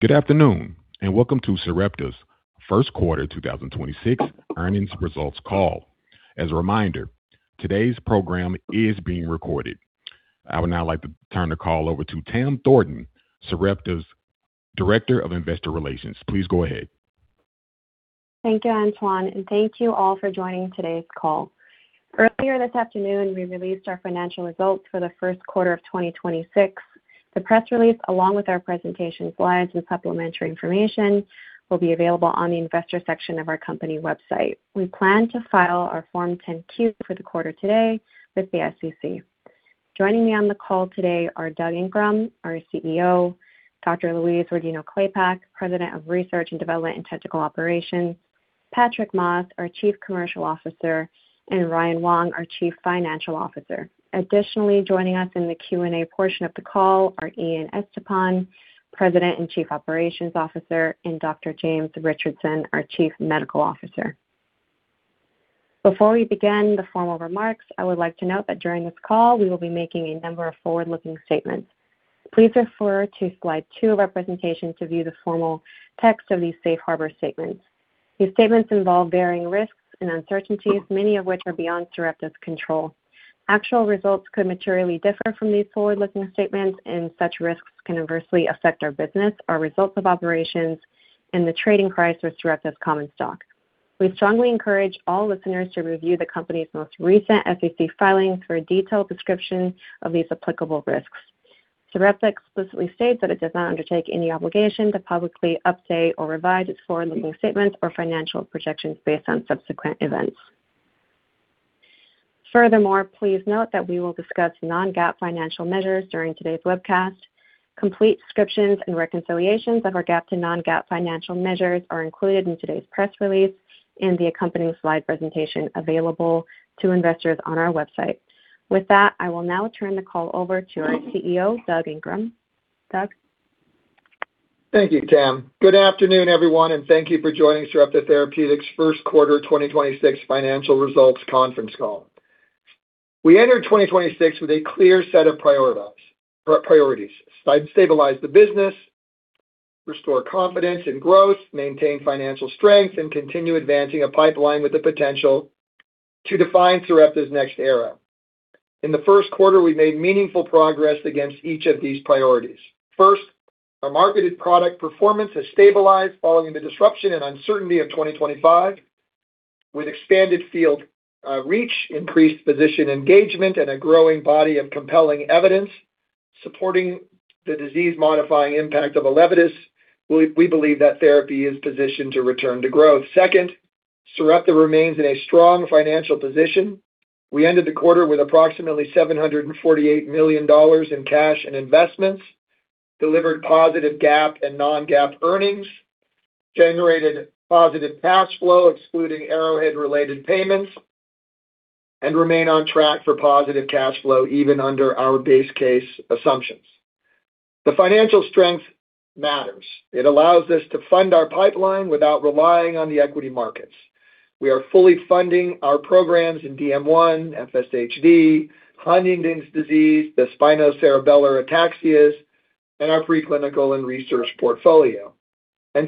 Good afternoon, and welcome to Sarepta's first quarter 2026 earnings results call. As a reminder, today's program is being recorded. I would now like to turn the call over to Tam Thornton, Sarepta's Director of Investor Relations. Please go ahead. Thank you, Antoine, and thank you all for joining today's call. Earlier this afternoon, we released our financial results for the first quarter of 2026. The press release, along with our presentation slides and supplementary information, will be available on the investor section of our company website. We plan to file our Form 10-Q for the quarter today with the SEC. Joining me on the call today are Doug Ingram, our CEO; Dr. Louise Rodino-Klapac, President of Research and Development and Technical Operations; Patrick Moss, our Chief Commercial Officer; and Ryan Wong, our Chief Financial Officer. Additionally, joining us in the Q&A portion of the call are Ian Estepan, President and Chief Operations Officer, and Dr. James Richardson, our Chief Medical Officer. Before we begin the formal remarks, I would like to note that during this call, we will be making a number of forward-looking statements. Please refer to slide two of our presentation to view the formal text of these safe harbor statements. These statements involve varying risks and uncertainties, many of which are beyond Sarepta's control. Actual results could materially differ from these forward-looking statements, and such risks can adversely affect our business, our results of operations, and the trading price for Sarepta's common stock. We strongly encourage all listeners to review the company's most recent SEC filings for a detailed description of these applicable risks. Sarepta explicitly states that it does not undertake any obligation to publicly update or revise its forward-looking statements or financial projections based on subsequent events. Furthermore, please note that we will discuss non-GAAP financial measures during today's webcast. Complete descriptions and reconciliations of our GAAP to non-GAAP financial measures are included in today's press release and the accompanying slide presentation available to investors on our website. With that, I will now turn the call over to our CEO, Doug Ingram. Doug? Thank you, Tam. Good afternoon, everyone, and thank you for joining Sarepta Therapeutics' first quarter 2026 financial results conference call. We entered 2026 with a clear set of priorities: stabilize the business, restore confidence and growth, maintain financial strength, and continue advancing a pipeline with the potential to define Sarepta's next era. In the first quarter, we made meaningful progress against each of these priorities. First, our marketed product performance has stabilized following the disruption and uncertainty of 2025 with expanded field reach, increased physician engagement, and a growing body of compelling evidence supporting the disease-modifying impact of ELEVIDYS. We believe that therapy is positioned to return to growth. Second, Sarepta remains in a strong financial position. We ended the quarter with approximately $748 million in cash and investments, delivered positive GAAP and non-GAAP earnings, generated positive cash flow excluding Arrowhead-related payments, remain on track for positive cash flow even under our base case assumptions. The financial strength matters. It allows us to fund our pipeline without relying on the equity markets. We are fully funding our programs in DM1, FSHD, Huntington's disease, the spinocerebellar ataxias, our preclinical and research portfolio.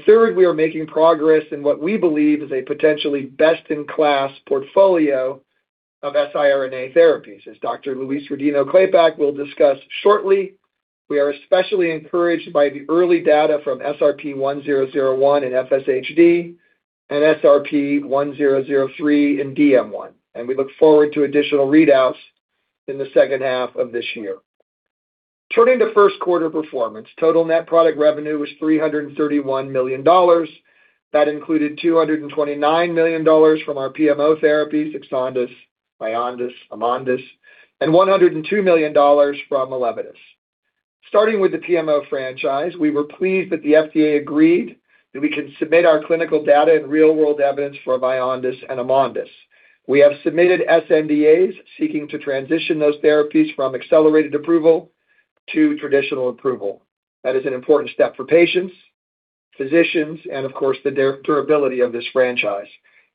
Third, we are making progress in what we believe is a potentially best-in-class portfolio of siRNA therapies. As Dr. Louise Rodino-Klapac will discuss shortly, we are especially encouraged by the early data from SRP-1001 in FSHD and SRP-1003 in DM1, we look forward to additional readouts in the second half of this year. Turning to first quarter performance, total net product revenue was $331 million. That included $229 million from our PMO therapies, EXONDYS, VYONDYS, AMONDYS, and $102 million from ELEVIDYS. Starting with the PMO franchise, we were pleased that the FDA agreed that we can submit our clinical data and real-world evidence for VYONDYS and AMONDYS. We have submitted sNDAs seeking to transition those therapies from accelerated approval to traditional approval. That is an important step for patients, physicians, and of course, the durability of this franchise.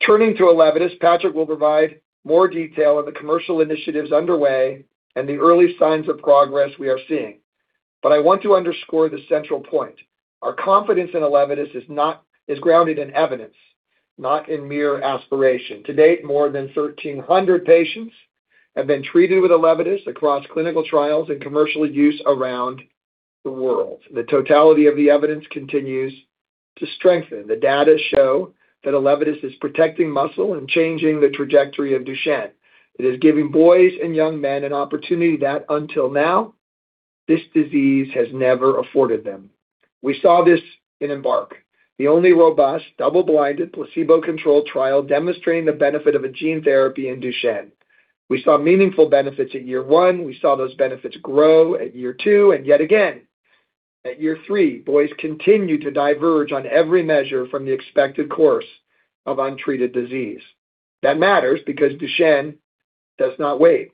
Turning to ELEVIDYS, Patrick will provide more detail on the commercial initiatives underway and the early signs of progress we are seeing. I want to underscore the central point. Our confidence in ELEVIDYS is grounded in evidence, not in mere aspiration. To date, more than 1,300 patients have been treated with ELEVIDYS across clinical trials and commercial use around the world. The totality of the evidence continues to strengthen. The data show that ELEVIDYS is protecting muscle and changing the trajectory of Duchenne. It is giving boys and young men an opportunity that, until now, this disease has never afforded them. We saw this in EMBARK, the only robust double-blinded placebo-controlled trial demonstrating the benefit of a gene therapy in Duchenne. We saw meaningful benefits at year one. We saw those benefits grow at year two, and yet again at year three. Boys continue to diverge on every measure from the expected course of untreated disease. That matters because Duchenne does not wait.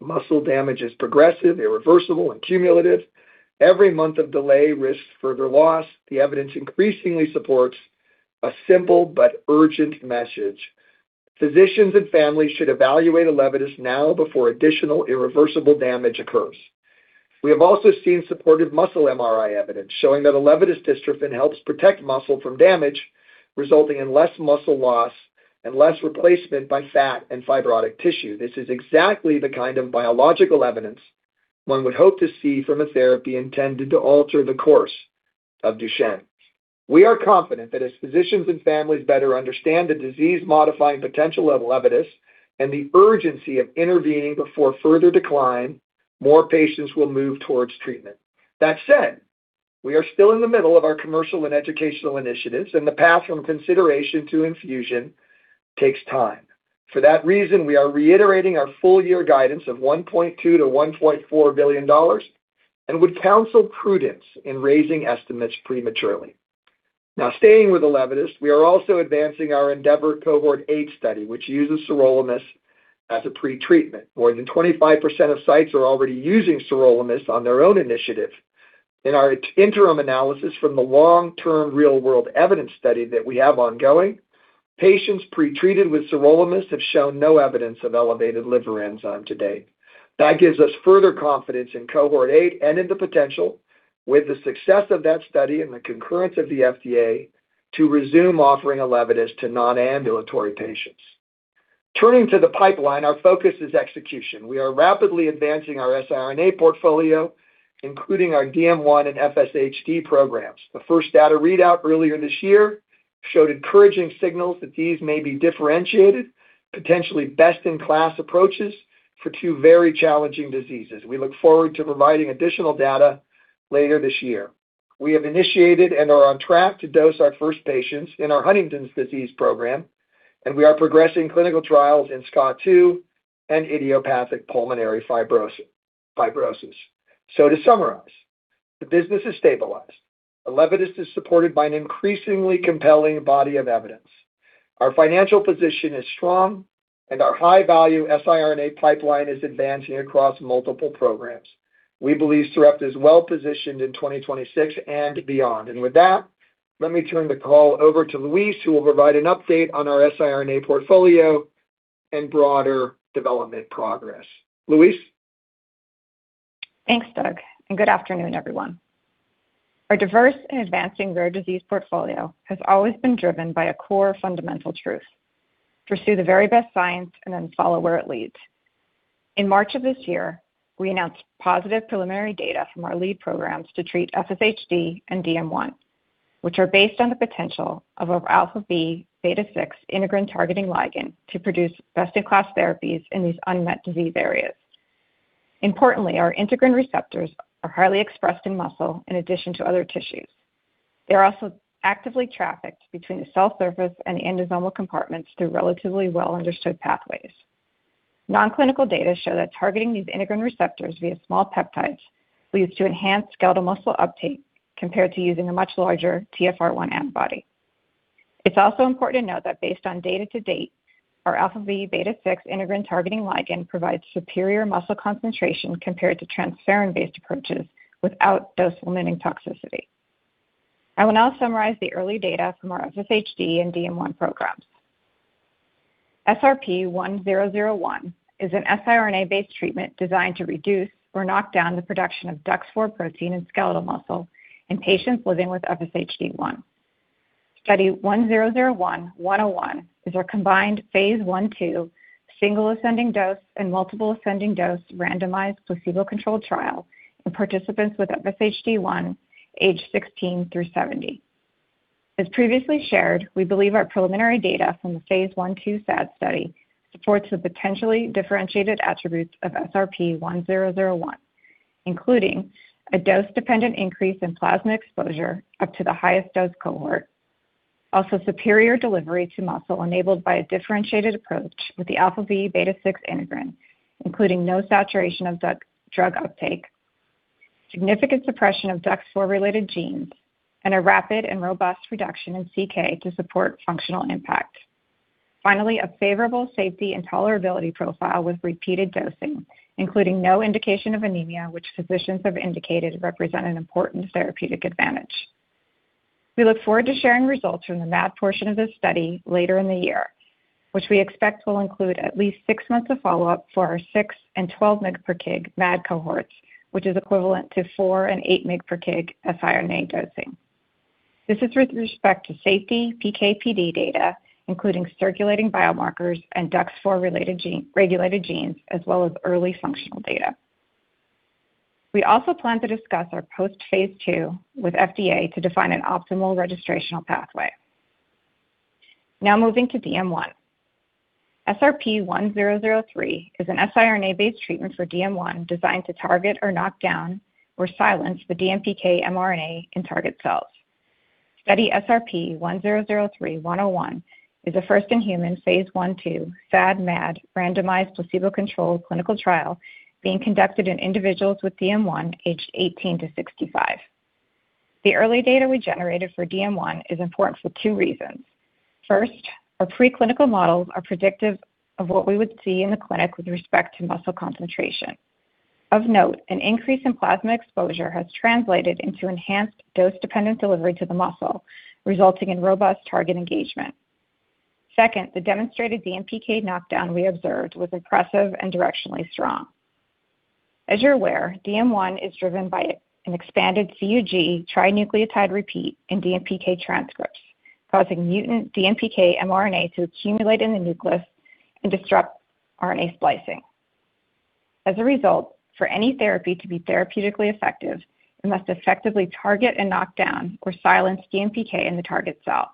Muscle damage is progressive, irreversible, and cumulative. Every month of delay risks further loss. The evidence increasingly supports a simple but urgent message. Physicians and families should evaluate ELEVIDYS now before additional irreversible damage occurs. We have also seen supportive muscle MRI evidence showing that ELEVIDYS dystrophin helps protect muscle from damage, resulting in less muscle loss and less replacement by fat and fibrotic tissue. This is exactly the kind of biological evidence one would hope to see from a therapy intended to alter the course of Duchenne. We are confident that as physicians and families better understand the disease-modifying potential of ELEVIDYS and the urgency of intervening before further decline, more patients will move towards treatment. That said, we are still in the middle of our commercial and educational initiatives. The path from consideration to infusion takes time. For that reason, we are reiterating our full year guidance of $1.2 billion-$1.4 billion and would counsel prudence in raising estimates prematurely. Staying with ELEVIDYS, we are also advancing our ENDEAVOR Cohort 8 study, which uses sirolimus as a pretreatment. More than 25% of sites are already using sirolimus on their own initiative. In our interim analysis from the long-term real-world evidence study that we have ongoing, patients pretreated with sirolimus have shown no evidence of elevated liver enzyme to date. That gives us further confidence in Cohort 8 and in the potential with the success of that study and the concurrence of the FDA to resume offering ELEVIDYS to non-ambulatory patients. Turning to the pipeline, our focus is execution. We are rapidly advancing our siRNA portfolio, including our DM1 and FSHD programs. The first data readout earlier this year showed encouraging signals that these may be differentiated, potentially best-in-class approaches for two very challenging diseases. We look forward to providing additional data later this year. We have initiated and are on track to dose our first patients in our Huntington's disease program, and we are progressing clinical trials in SCA2 and idiopathic pulmonary fibrosis. To summarize, the business is stabilized. ELEVIDYS is supported by an increasingly compelling body of evidence. Our financial position is strong. Our high-value siRNA pipeline is advancing across multiple programs. We believe Sarepta is well-positioned in 2026 and beyond. With that, let me turn the call over to Louise, who will provide an update on our siRNA portfolio and broader development progress. Louise? Thanks, Doug, good afternoon, everyone. Our diverse and advancing rare disease portfolio has always been driven by a core fundamental truth: pursue the very best science and then follow where it leads. In March of this year, we announced positive preliminary data from our lead programs to treat FSHD and DM1, which are based on the potential of our alpha-v beta-6 integrin-targeting ligand to produce best-in-class therapies in these unmet disease areas. Importantly, our integrin receptors are highly expressed in muscle in addition to other tissues. They are also actively trafficked between the cell surface and endosomal compartments through relatively well-understood pathways. Non-clinical data show that targeting these integrin receptors via small peptides leads to enhanced skeletal muscle uptake compared to using a much larger TfR1 antibody. It's also important to note that based on data to date, our alpha-v beta-6 integrin-targeting ligand provides superior muscle concentration compared to transferrin-based approaches without dose-limiting toxicity. I will now summarize the early data from our FSHD and DM1 programs. SRP-1001 is an siRNA-based treatment designed to reduce or knock down the production of DUX4 protein in skeletal muscle in patients living with FSHD1. Study 1001-101 is our combined phase I/II single ascending dose and multiple ascending dose randomized placebo-controlled trial in participants with FSHD1 aged 16 through 70. As previously shared, we believe our preliminary data from the phase I/II SAD study supports the potentially differentiated attributes of SRP-1001, including a dose-dependent increase in plasma exposure up to the highest dose cohort, also superior delivery to muscle enabled by a differentiated approach with the alpha-v beta-6 integrin, including no saturation of drug uptake, significant suppression of DUX4-related genes, and a rapid and robust reduction in CK to support functional impact. Finally, a favorable safety and tolerability profile with repeated dosing, including no indication of anemia, which physicians have indicated represent an important therapeutic advantage. We look forward to sharing results from the MAD portion of this study later in the year, which we expect will include at least six months of follow-up for our six and 12 mg per kg MAD cohorts, which is equivalent to 4 mg and 8 mg per kg siRNA dosing. This is with respect to safety PK/PD data, including circulating biomarkers and DUX4 related regulated genes as well as early functional data. We also plan to discuss our post phase II with FDA to define an optimal registrational pathway. Moving to DM1. SRP-1003 is an siRNA-based treatment for DM1 designed to target or knock down or silence the DMPK mRNA in target cells. Study SRP-1003-101 is a first-in-human phase I/II SAD/MAD randomized placebo-controlled clinical trial being conducted in individuals with DM1 aged 18 to 65. The early data we generated for DM1 is important for two reasons. First, our preclinical models are predictive of what we would see in the clinic with respect to muscle concentration. Of note, an increase in plasma exposure has translated into enhanced dose-dependent delivery to the muscle, resulting in robust target engagement. Second, the demonstrated DMPK knockdown we observed was impressive and directionally strong. As you're aware, DM1 is driven by an expanded CUG trinucleotide repeat in DMPK transcripts, causing mutant DMPK mRNA to accumulate in the nucleus and disrupt RNA splicing. As a result, for any therapy to be therapeutically effective, it must effectively target and knock down or silence DMPK in the target cell.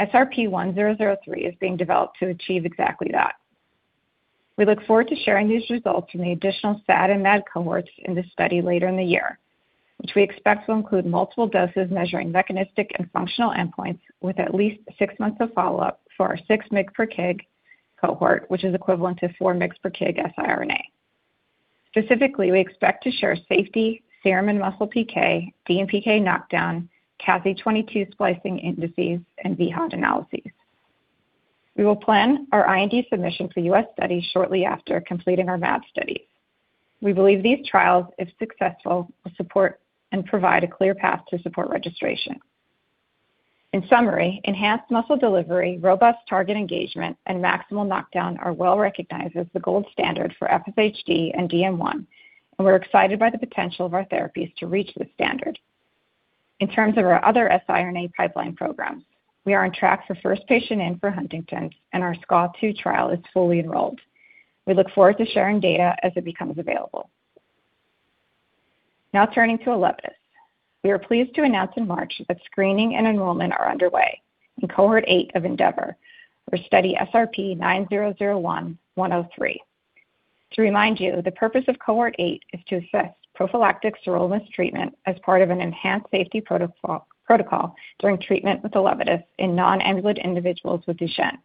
SRP-1003 is being developed to achieve exactly that. We look forward to sharing these results in the additional SAD and MAD cohorts in this study later in the year, which we expect will include multiple doses measuring mechanistic and functional endpoints with at least six months of follow-up for our 6 mg per kg cohort, which is equivalent to 4 mg per kg siRNA. Specifically, we expect to share safety, serum and muscle PK, DMPK knockdown, CSI-22 splicing indices, and vHOT analyses. We will plan our IND submission for U.S. study shortly after completing our MAD study. We believe these trials, if successful, will support and provide a clear path to support registration. In summary, enhanced muscle delivery, robust target engagement, and maximal knockdown are well recognized as the gold standard for FSHD and DM1, and we're excited by the potential of our therapies to reach this standard. In terms of our other siRNA pipeline program, we are on track for first patient in for Huntington's, and our SCA2 trial is fully enrolled. We look forward to sharing data as it becomes available. Turning to ELEVIDYS. We are pleased to announce in March that screening and enrollment are underway in cohort 8 of ENDEAVOR or study SRP-9001-103. To remind you, the purpose of cohort 8 is to assess prophylactic sirolimus treatment as part of an enhanced safety protocol during treatment with ELEVIDYS in non-ambulant individuals with Duchenne.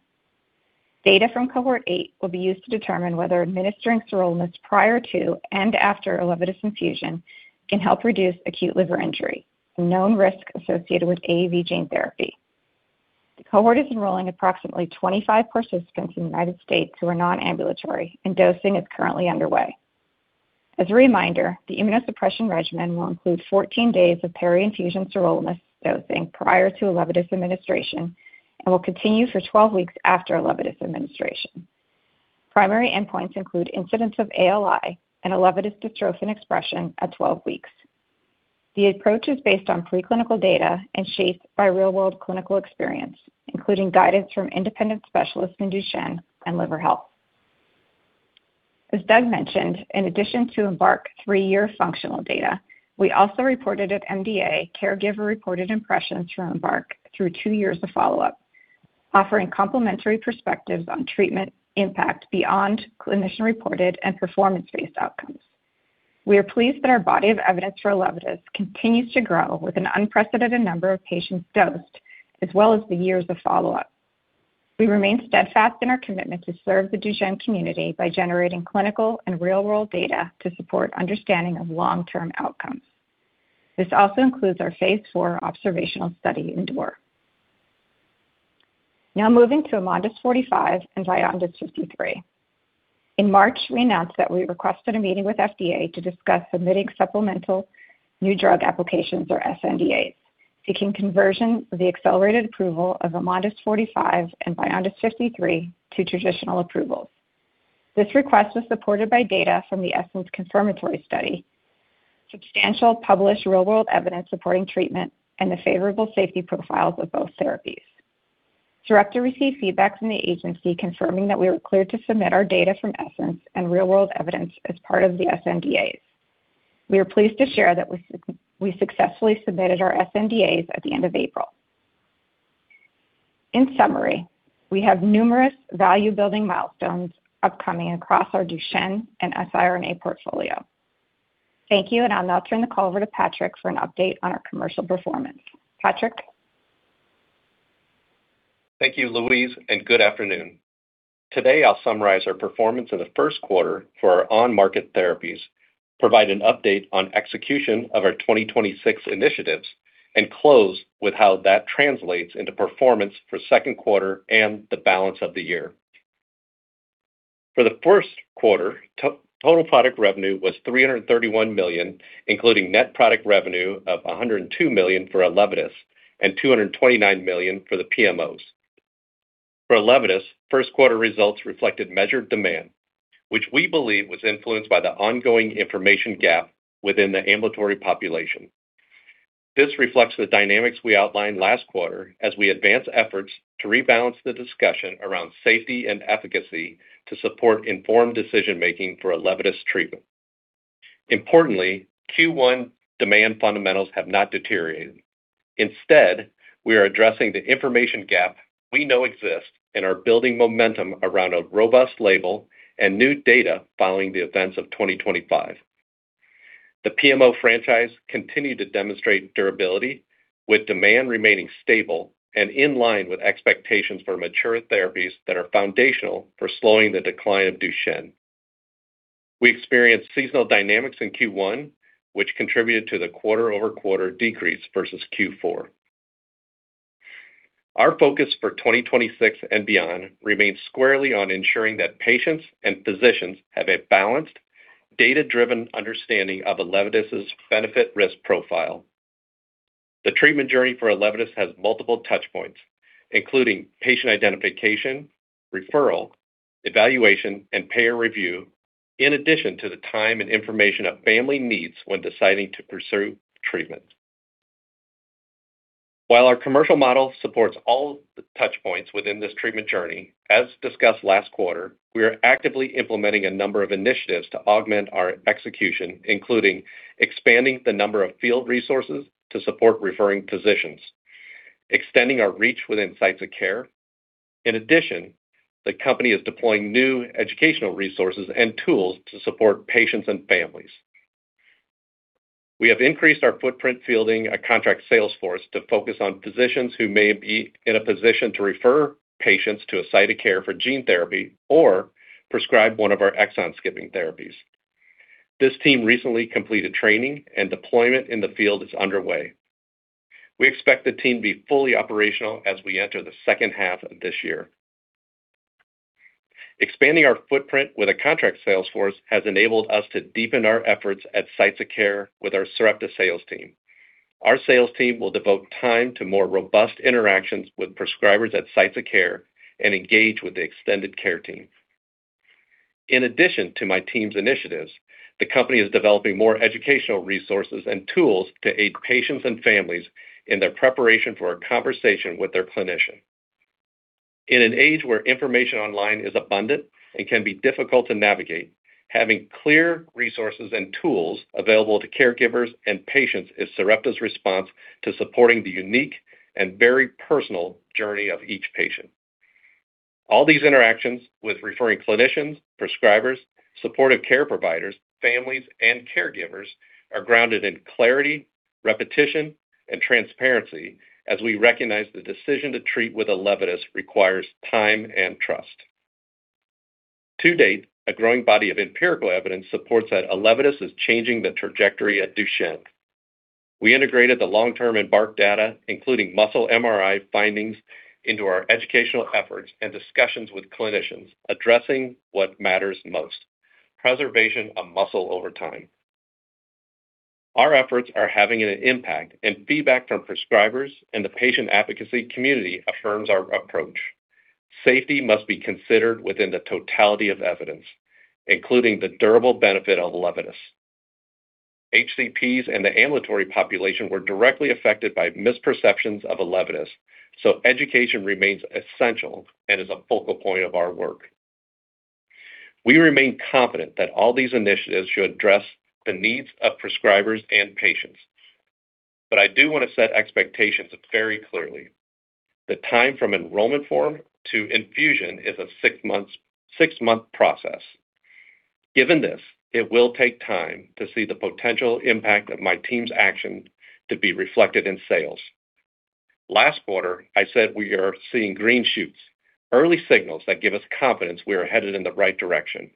Data from cohort 8 will be used to determine whether administering sirolimus prior to and after ELEVIDYS infusion can help reduce acute liver injury, a known risk associated with AAV gene therapy. The cohort is enrolling approximately 25 participants in the United States who are non-ambulatory and dosing is currently underway. As a reminder, the immunosuppression regimen will include 14 days of peri-infusion sirolimus dosing prior to ELEVIDYS administration and will continue for 12 weeks after ELEVIDYS administration. Primary endpoints include incidence of ALI and ELEVIDYS dystrophin expression at 12 weeks. The approach is based on preclinical data and shaped by real-world clinical experience, including guidance from independent specialists in Duchenne and liver health. As Doug mentioned, in addition to EMBARK three-year functional data, we also reported at MDA caregiver-reported impressions from EMBARK through two years of follow-up, offering complimentary perspectives on treatment impact beyond clinician-reported and performance-based outcomes. We are pleased that our body of evidence for ELEVIDYS continues to grow with an unprecedented number of patients dosed, as well as the years of follow-up. We remain steadfast in our commitment to serve the Duchenne community by generating clinical and real-world data to support understanding of long-term outcomes. This also includes our phase IV observational study, ENDURE. Moving to AMONDYS 45 and VYONDYS 53. In March, we announced that we requested a meeting with FDA to discuss submitting supplemental new drug applications or sNDAs, seeking conversion of the accelerated approval of AMONDYS 45 and VYONDYS 53 to traditional approvals. This request was supported by data from the ESSENCE confirmatory study, substantial published real-world evidence supporting treatment, and the favorable safety profiles of both therapies. Director received feedback from the agency confirming that we were clear to submit our data from ESSENCE and real world evidence as part of the sNDAs. We are pleased to share that we successfully submitted our sNDAs at the end of April. In summary, we have numerous value-building milestones upcoming across our Duchenne and siRNA portfolio. Thank you, and I'll now turn the call over to Patrick for an update on our commercial performance. Patrick? Thank you, Louise, and good afternoon. Today, I'll summarize our performance in the first quarter for our on-market therapies, provide an update on execution of our 2026 initiatives, and close with how that translates into performance for second quarter and the balance of the year. For the first quarter, total product revenue was $331 million, including net product revenue of $102 million for ELEVIDYS and $229 million for the PMOs. For ELEVIDYS, first quarter results reflected measured demand, which we believe was influenced by the ongoing information gap within the ambulatory population. This reflects the dynamics we outlined last quarter as we advance efforts to rebalance the discussion around safety and efficacy to support informed decision-making for ELEVIDYS treatment. Importantly, Q1 demand fundamentals have not deteriorated. Instead, we are addressing the information gap we know exists and are building momentum around a robust label and new data following the events of 2025. The PMO franchise continued to demonstrate durability with demand remaining stable and in line with expectations for mature therapies that are foundational for slowing the decline of Duchenne. We experienced seasonal dynamics in Q1, which contributed to the quarter-over-quarter decrease versus Q4. Our focus for 2026 and beyond remains squarely on ensuring that patients and physicians have a balanced, data-driven understanding of ELEVIDYS's benefit risk profile. The treatment journey for ELEVIDYS has multiple touch points, including patient identification, referral, evaluation, and payer review, in addition to the time and information a family needs when deciding to pursue treatment. While our commercial model supports all the touch points within this treatment journey, as discussed last quarter, we are actively implementing a number of initiatives to augment our execution, including expanding the number of field resources to support referring physicians, extending our reach within sites of care. The company is deploying new educational resources and tools to support patients and families. We have increased our footprint fielding a contract sales force to focus on physicians who may be in a position to refer patients to a site of care for gene therapy or prescribe one of our exon-skipping therapies. This team recently completed training and deployment in the field is underway. We expect the team to be fully operational as we enter the second half of this year. Expanding our footprint with a contract sales force has enabled us to deepen our efforts at sites of care with our Sarepta sales team. Our sales team will devote time to more robust interactions with prescribers at sites of care and engage with the extended care team. In addition to my team's initiatives, the company is developing more educational resources and tools to aid patients and families in their preparation for a conversation with their clinician. In an age where information online is abundant and can be difficult to navigate, having clear resources and tools available to caregivers and patients is Sarepta's response to supporting the unique and very personal journey of each patient. All these interactions with referring clinicians, prescribers, supportive care providers, families, and caregivers are grounded in clarity, repetition, and transparency as we recognize the decision to treat with ELEVIDYS requires time and trust. To date, a growing body of empirical evidence supports that ELEVIDYS is changing the trajectory at Duchenne. We integrated the long-term EMBARK data, including muscle MRI findings, into our educational efforts and discussions with clinicians addressing what matters most: preservation of muscle over time. Our efforts are having an impact, feedback from prescribers and the patient advocacy community affirms our approach. Safety must be considered within the totality of evidence, including the durable benefit of ELEVIDYS. HCPs and the ambulatory population were directly affected by misperceptions of ELEVIDYS, education remains essential and is a focal point of our work. We remain confident that all these initiatives should address the needs of prescribers and patients. I do want to set expectations very clearly. The time from enrollment form to infusion is a 6-month process. Given this, it will take time to see the potential impact of my team's action to be reflected in sales. Last quarter, I said we are seeing green shoots, early signals that give us confidence we are headed in the right direction.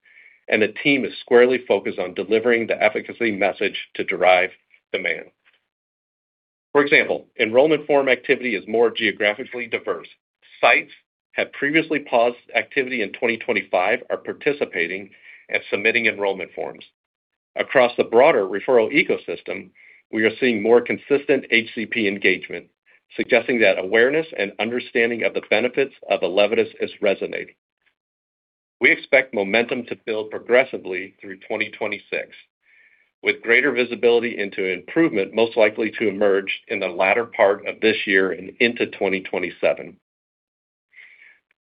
The team is squarely focused on delivering the efficacy message to derive demand. For example, enrollment form activity is more geographically diverse. Sites have previously paused activity in 2025 are participating and submitting enrollment forms. Across the broader referral ecosystem, we are seeing more consistent HCP engagement, suggesting that awareness and understanding of the benefits of ELEVIDYS is resonating. We expect momentum to build progressively through 2026, with greater visibility into improvement most likely to emerge in the latter part of this year and into 2027.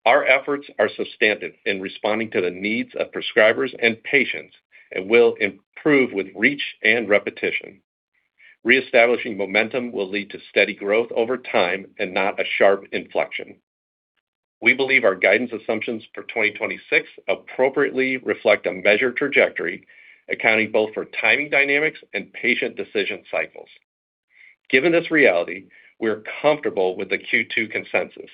Our efforts are substantive in responding to the needs of prescribers and patients and will improve with reach and repetition. Reestablishing momentum will lead to steady growth over time and not a sharp inflection. We believe our guidance assumptions for 2026 appropriately reflect a measured trajectory accounting both for timing dynamics and patient decision cycles. Given this reality, we are comfortable with the Q2 consensus.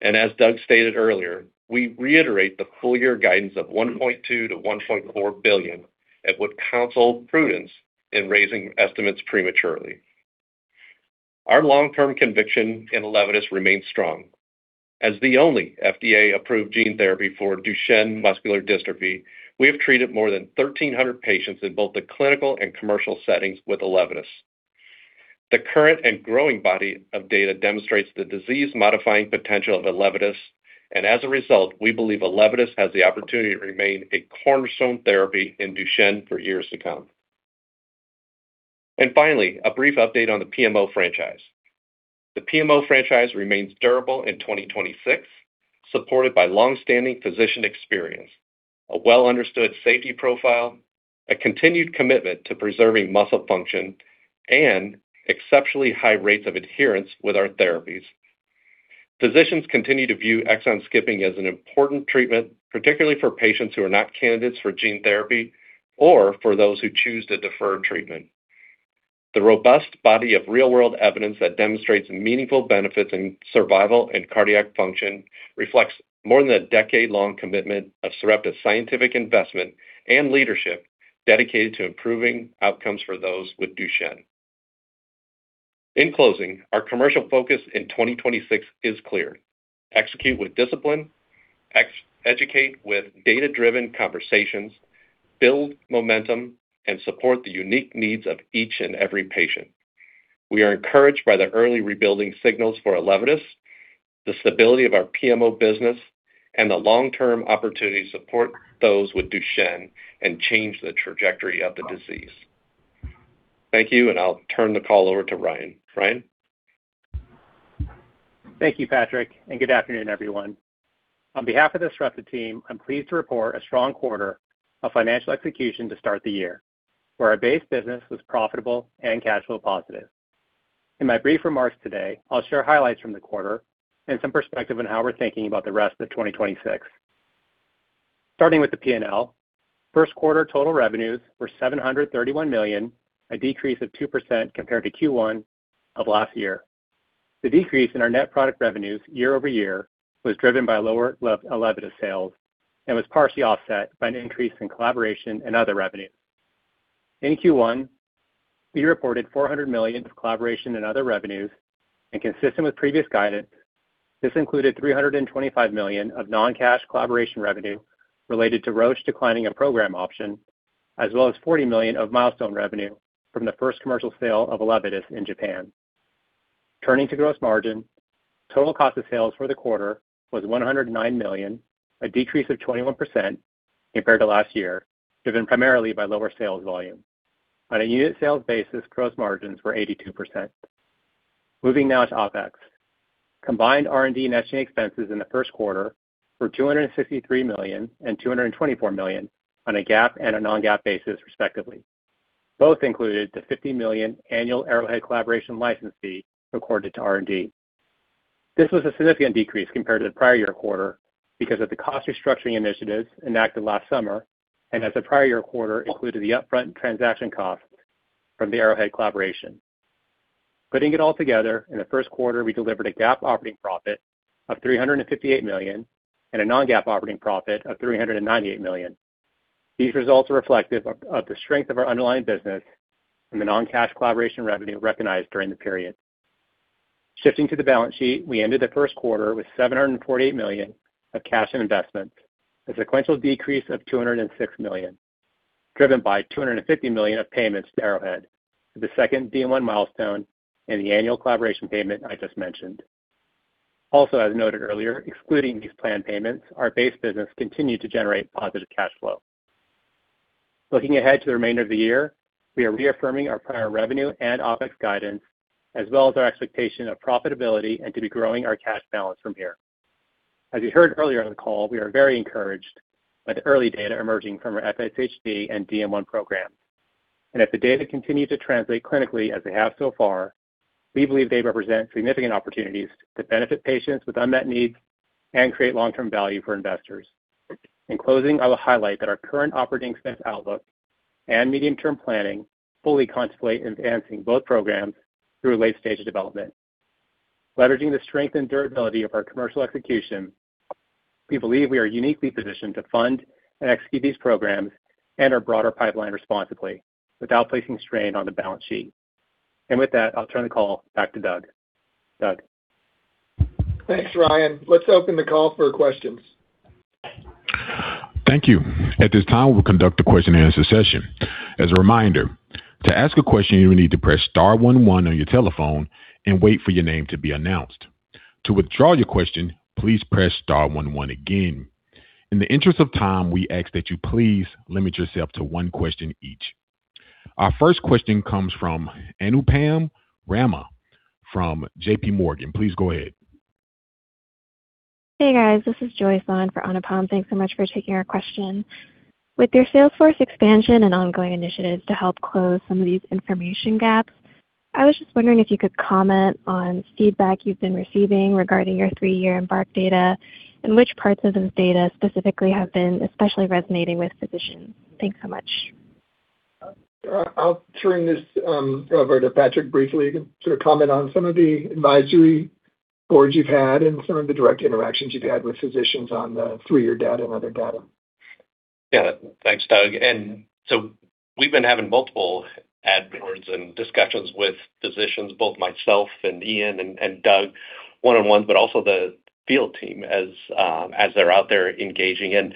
As Doug stated earlier, we reiterate the full year guidance of $1.2 billion-$1.4 billion and would counsel prudence in raising estimates prematurely. Our long-term conviction in ELEVIDYS remains strong. As the only FDA-approved gene therapy for Duchenne muscular dystrophy, we have treated more than 1,300 patients in both the clinical and commercial settings with ELEVIDYS. The current and growing body of data demonstrates the disease-modifying potential of ELEVIDYS. As a result, we believe ELEVIDYS has the opportunity to remain a cornerstone therapy in Duchenne for years to come. Finally, a brief update on the PMO franchise. The PMO franchise remains durable in 2026, supported by long-standing physician experience, a well-understood safety profile, a continued commitment to preserving muscle function, and exceptionally high rates of adherence with our therapies. Physicians continue to view exon-skipping as an important treatment, particularly for patients who are not candidates for gene therapy or for those who choose to defer treatment. The robust body of real-world evidence that demonstrates meaningful benefits in survival and cardiac function reflects more than a decade-long commitment of Sarepta's scientific investment and leadership dedicated to improving outcomes for those with Duchenne. In closing, our commercial focus in 2026 is clear. Execute with discipline, educate with data-driven conversations, build momentum, and support the unique needs of each and every patient. We are encouraged by the early rebuilding signals for ELEVIDYS, the stability of our PMO business, and the long-term opportunity to support those with Duchenne and change the trajectory of the disease. Thank you, and I'll turn the call over to Ryan. Ryan? Thank you, Patrick, and good afternoon, everyone. On behalf of the Sarepta team, I'm pleased to report a strong quarter of financial execution to start the year, where our base business was profitable and cash flow positive. In my brief remarks today, I'll share highlights from the quarter and some perspective on how we're thinking about the rest of 2026. Starting with the P&L, first quarter total revenues were $731 million, a decrease of 2% compared to Q1 of last year. The decrease in our net product revenues year-over-year was driven by lower ELEVIDYS sales and was partially offset by an increase in collaboration and other revenues. In Q1, we reported $400 million of collaboration and other revenues, and consistent with previous guidance, this included $325 million of non-cash collaboration revenue related to Roche declining a program option, as well as $40 million of milestone revenue from the first commercial sale of ELEVIDYS in Japan. Turning to gross margin, total cost of sales for the quarter was $109 million, a decrease of 21% compared to last year, driven primarily by lower sales volume. On a unit sales basis, gross margins were 82%. Moving now to OPEX. Combined R&D and SG&A expenses in the first quarter were $263 million and $224 million on a GAAP and a non-GAAP basis, respectively. Both included the $50 million annual Arrowhead collaboration license fee recorded to R&D. This was a significant decrease compared to the prior year quarter because of the cost restructuring initiatives enacted last summer and as the prior year quarter included the upfront transaction cost from the Arrowhead collaboration. Putting it all together, in the first quarter, we delivered a GAAP operating profit of $358 million and a non-GAAP operating profit of $398 million. These results are reflective of the strength of our underlying business and the non-cash collaboration revenue recognized during the period. Shifting to the balance sheet, we ended the first quarter with $748 million of cash and investment, a sequential decrease of $206 million, driven by $250 million of payments to Arrowhead for the second DM1 milestone and the annual collaboration payment I just mentioned. As noted earlier, excluding these planned payments, our base business continued to generate positive cash flow. Looking ahead to the remainder of the year, we are reaffirming our prior revenue and OPEX guidance as well as our expectation of profitability and to be growing our cash balance from here. As you heard earlier on the call, we are very encouraged by the early data emerging from our FSHD and DM1 programs. If the data continue to translate clinically as they have so far, we believe they represent significant opportunities to benefit patients with unmet needs and create long-term value for investors. In closing, I will highlight that our current operating expense outlook and medium-term planning fully contemplate enhancing both programs through a late stage of development. Leveraging the strength and durability of our commercial execution, we believe we are uniquely positioned to fund and execute these programs and our broader pipeline responsibly without placing strain on the balance sheet. With that, I'll turn the call back to Doug. Doug? Thanks, Ryan. Let's open the call for questions. Thank you. At this time, we'll conduct a question and answer session. As a reminder, to ask a question, you will need to press star one one on your telephone and wait for your name to be announced. To withdraw your question, please press star one one again. In the interest of time, we ask that you please limit yourself to one question each. Our first question comes from Anupam Rama from JPMorgan. Please go ahead. Hey, guys. This is Joy Sohn for Anupam. Thanks so much for taking our question. With your sales force expansion and ongoing initiatives to help close some of these information gaps, I was just wondering if you could comment on feedback you've been receiving regarding your three-year EMBARK data and which parts of this data specifically have been especially resonating with physicians. Thanks so much. I'll turn this over to Patrick briefly. You can sort of comment on some of the advisory boards you've had and some of the direct interactions you've had with physicians on the three-year data and other data. Yeah. Thanks, Doug. We've been having multiple ad boards and discussions with physicians, both myself and Ian and Doug one-on-one, but also the field team as they're out there engaging.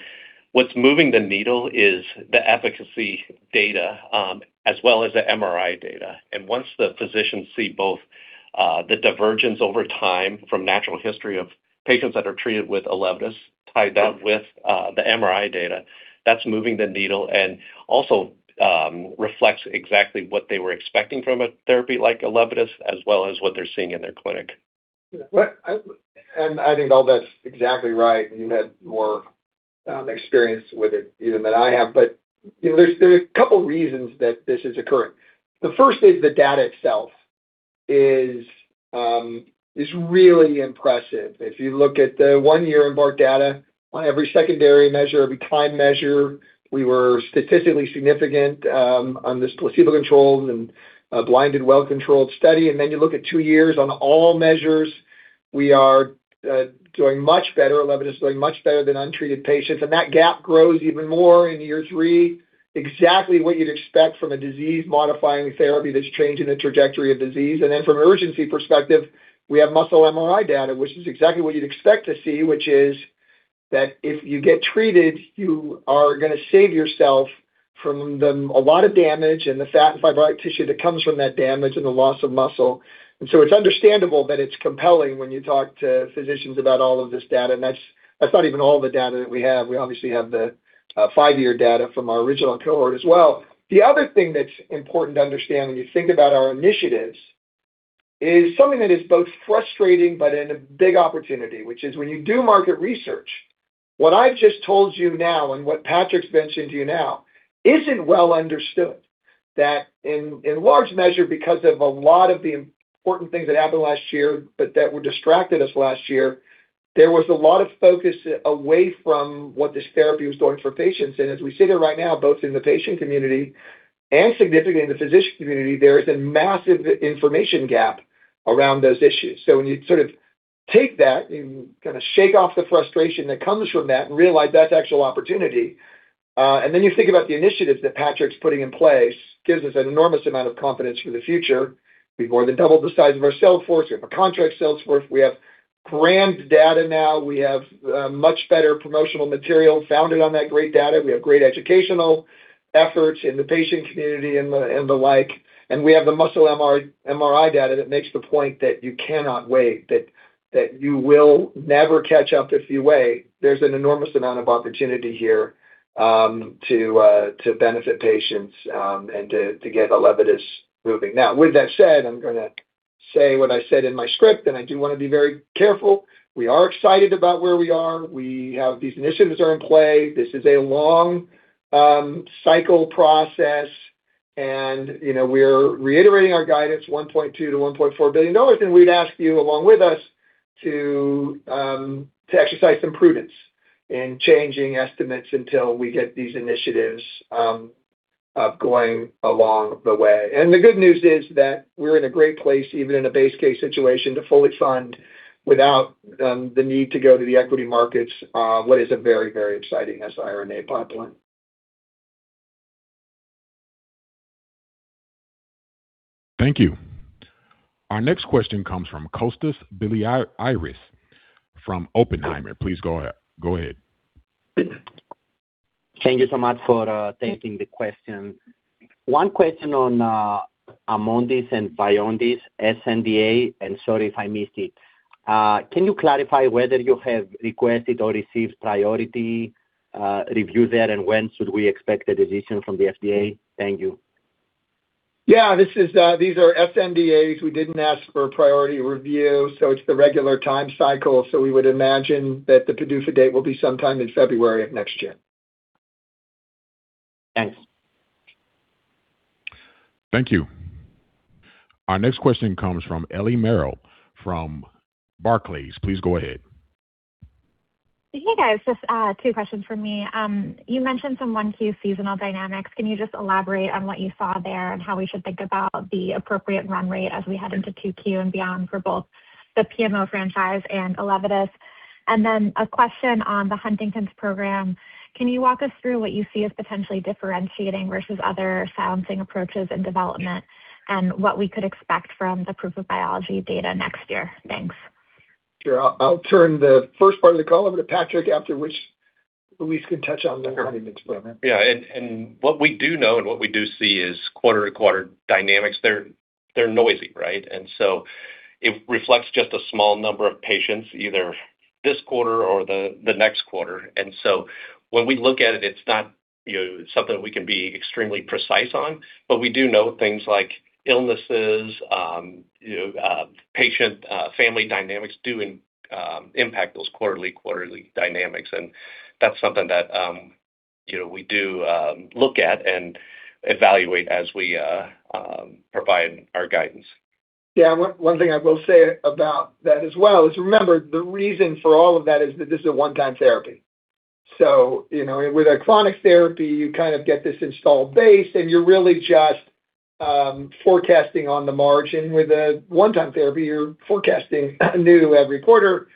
What's moving the needle is the efficacy data, as well as the MRI data. Once the physicians see both, the divergence over time from natural history of patients that are treated with ELEVIDYS tied down with the MRI data, that's moving the needle and also reflects exactly what they were expecting from a therapy like ELEVIDYS, as well as what they're seeing in their clinic. Well, I think all that's exactly right. You had more experience with it even than I have. You know, there are a couple reasons that this is occurring. The first is the data itself is really impressive. If you look at the one-year EMBARK data on every secondary measure, every climb measure, we were statistically significant on this placebo-controlled and blinded, well-controlled study. You look at two years on all measures. We are doing much better. ELEVIDYS is doing much better than untreated patients, and that gap grows even more in year three. Exactly what you'd expect from a disease-modifying therapy that's changing the trajectory of disease. From an urgency perspective, we have muscle MRI data, which is exactly what you would expect to see, which is that if you get treated, you are going to save yourself from a lot of damage and the fat and fibrotic tissue that comes from that damage and the loss of muscle. So it's understandable that it's compelling when you talk to physicians about all of this data. That's not even all the data that we have. We obviously have the five-year data from our original cohort as well. The other thing that's important to understand when you think about our initiatives is something that is both frustrating but in a big opportunity, which is when you do market research, what I've just told you now and what Patrick's mentioned to you now is not well understood. That in large measure because of a lot of the important things that happened last year, but that distracted us last year, there was a lot of focus away from what this therapy was doing for patients. As we sit here right now, both in the patient community and significantly in the physician community, there is a massive information gap around those issues. When you sort of take that and kinda shake off the frustration that comes from that and realize that's actual opportunity, you think about the initiatives that Patrick's putting in place, gives us an enormous amount of confidence for the future. We've more than doubled the size of our sales force. We have a contract sales force. We have crammed data now. We have much better promotional material founded on that great data. We have great educational efforts in the patient community and the, and the like. We have the muscle MRI data that makes the point that you cannot wait, that you will never catch up if you wait. There's an enormous amount of opportunity here to benefit patients and to get ELEVIDYS moving. With that said, I'm gonna say what I said in my script, and I do wanna be very careful. We are excited about where we are. We have these initiatives that are in play. This is a long cycle process, and you know, we're reiterating our guidance, $1.2 billion-$1.4 billion, and we'd ask you along with us to exercise some prudence in changing estimates until we get these initiatives going along the way. The good news is that we're in a great place, even in a base case situation, to fully fund without the need to go to the equity markets, what is a very, very exciting siRNA pipeline. Thank you. Our next question comes from Kostas Biliouris from Oppenheimer. Please go ahead. Thank you so much for taking the question. One question on AMONDYS and VYONDYS sNDA, and sorry if I missed it. Can you clarify whether you have requested or received priority review there? And when should we expect a decision from the FDA? Thank you. Yeah. This is, these are sNDA. We didn't ask for priority review, so it's the regular time cycle. We would imagine that the PDUFA date will be sometime in February of next year. Thanks. Thank you. Our next question comes from Eliana Merle from Barclays. Please go ahead. Hey, guys. Just two questions from me. You mentioned some 1Q seasonal dynamics. Can you just elaborate on what you saw there and how we should think about the appropriate run rate as we head into 2Q and beyond for both the PMO franchise and ELEVIDYS? A question on the Huntington's program. Can you walk us through what you see as potentially differentiating versus other silencing approaches in development and what we could expect from the proof of biology data next year? Thanks. Sure. I'll turn the first part of the call over to Patrick, after which Louise can touch on the Huntington's program. Yeah. What we do know and what we do see is quarter-to-quarter dynamics. They're noisy, right? It reflects just a small number of patients, either this quarter or the next quarter. When we look at it's not, you know, something we can be extremely precise on. We do know things like illnesses, you know, patient family dynamics do impact those quarterly dynamics. That's something that, you know, we do look at and evaluate as we provide our guidance. Yeah. One thing I will say about that as well is, remember, the reason for all of that is that this is a one-time therapy. You know, with a chronic therapy, you kind of get this installed base, and you're really just forecasting on the margin. With a one-time therapy, you're forecasting new every quarter.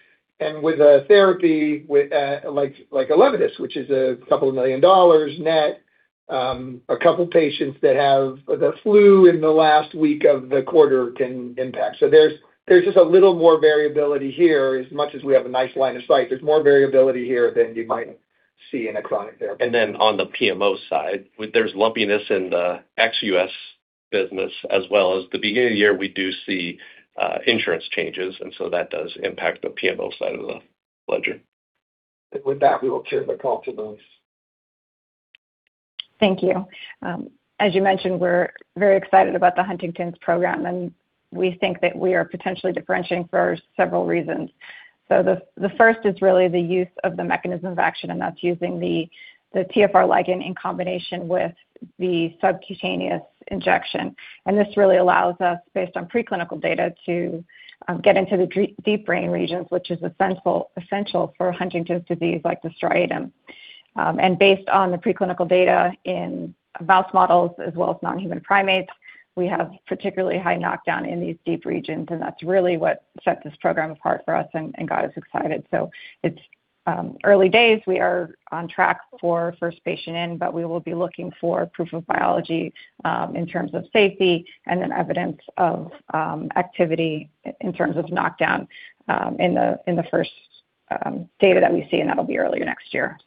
With a therapy with like ELEVIDYS, which is a couple of million dollars net, a couple patients that have the flu in the last week of the quarter can impact. There's just a little more variability here. As much as we have a nice line of sight, there's more variability here than you might see in a chronic therapy. On the PMO side, with there's lumpiness in the ex-U.S. business as well. At the beginning of the year, we do see insurance changes. That does impact the PMO side of the ledger. With that, we will turn the call to Louise. Thank you. As you mentioned, we're very excited about the Huntington's program, and we think that we are potentially differentiating for several reasons. The first is really the use of the mechanism of action, and that's using the TFR ligand in combination with the subcutaneous injection. This really allows us, based on preclinical data, to get into the deep brain regions, which is essential for Huntington's disease like the striatum. Based on the preclinical data in mouse models as well as non-human primates, we have particularly high knockdown in these deep regions, and that's really what set this program apart for us and got us excited. It's early days. We are on track for first patient in. We will be looking for proof of biology, in terms of safety and then evidence of activity in terms of knockdown, in the first data that we see, and that'll be earlier next year.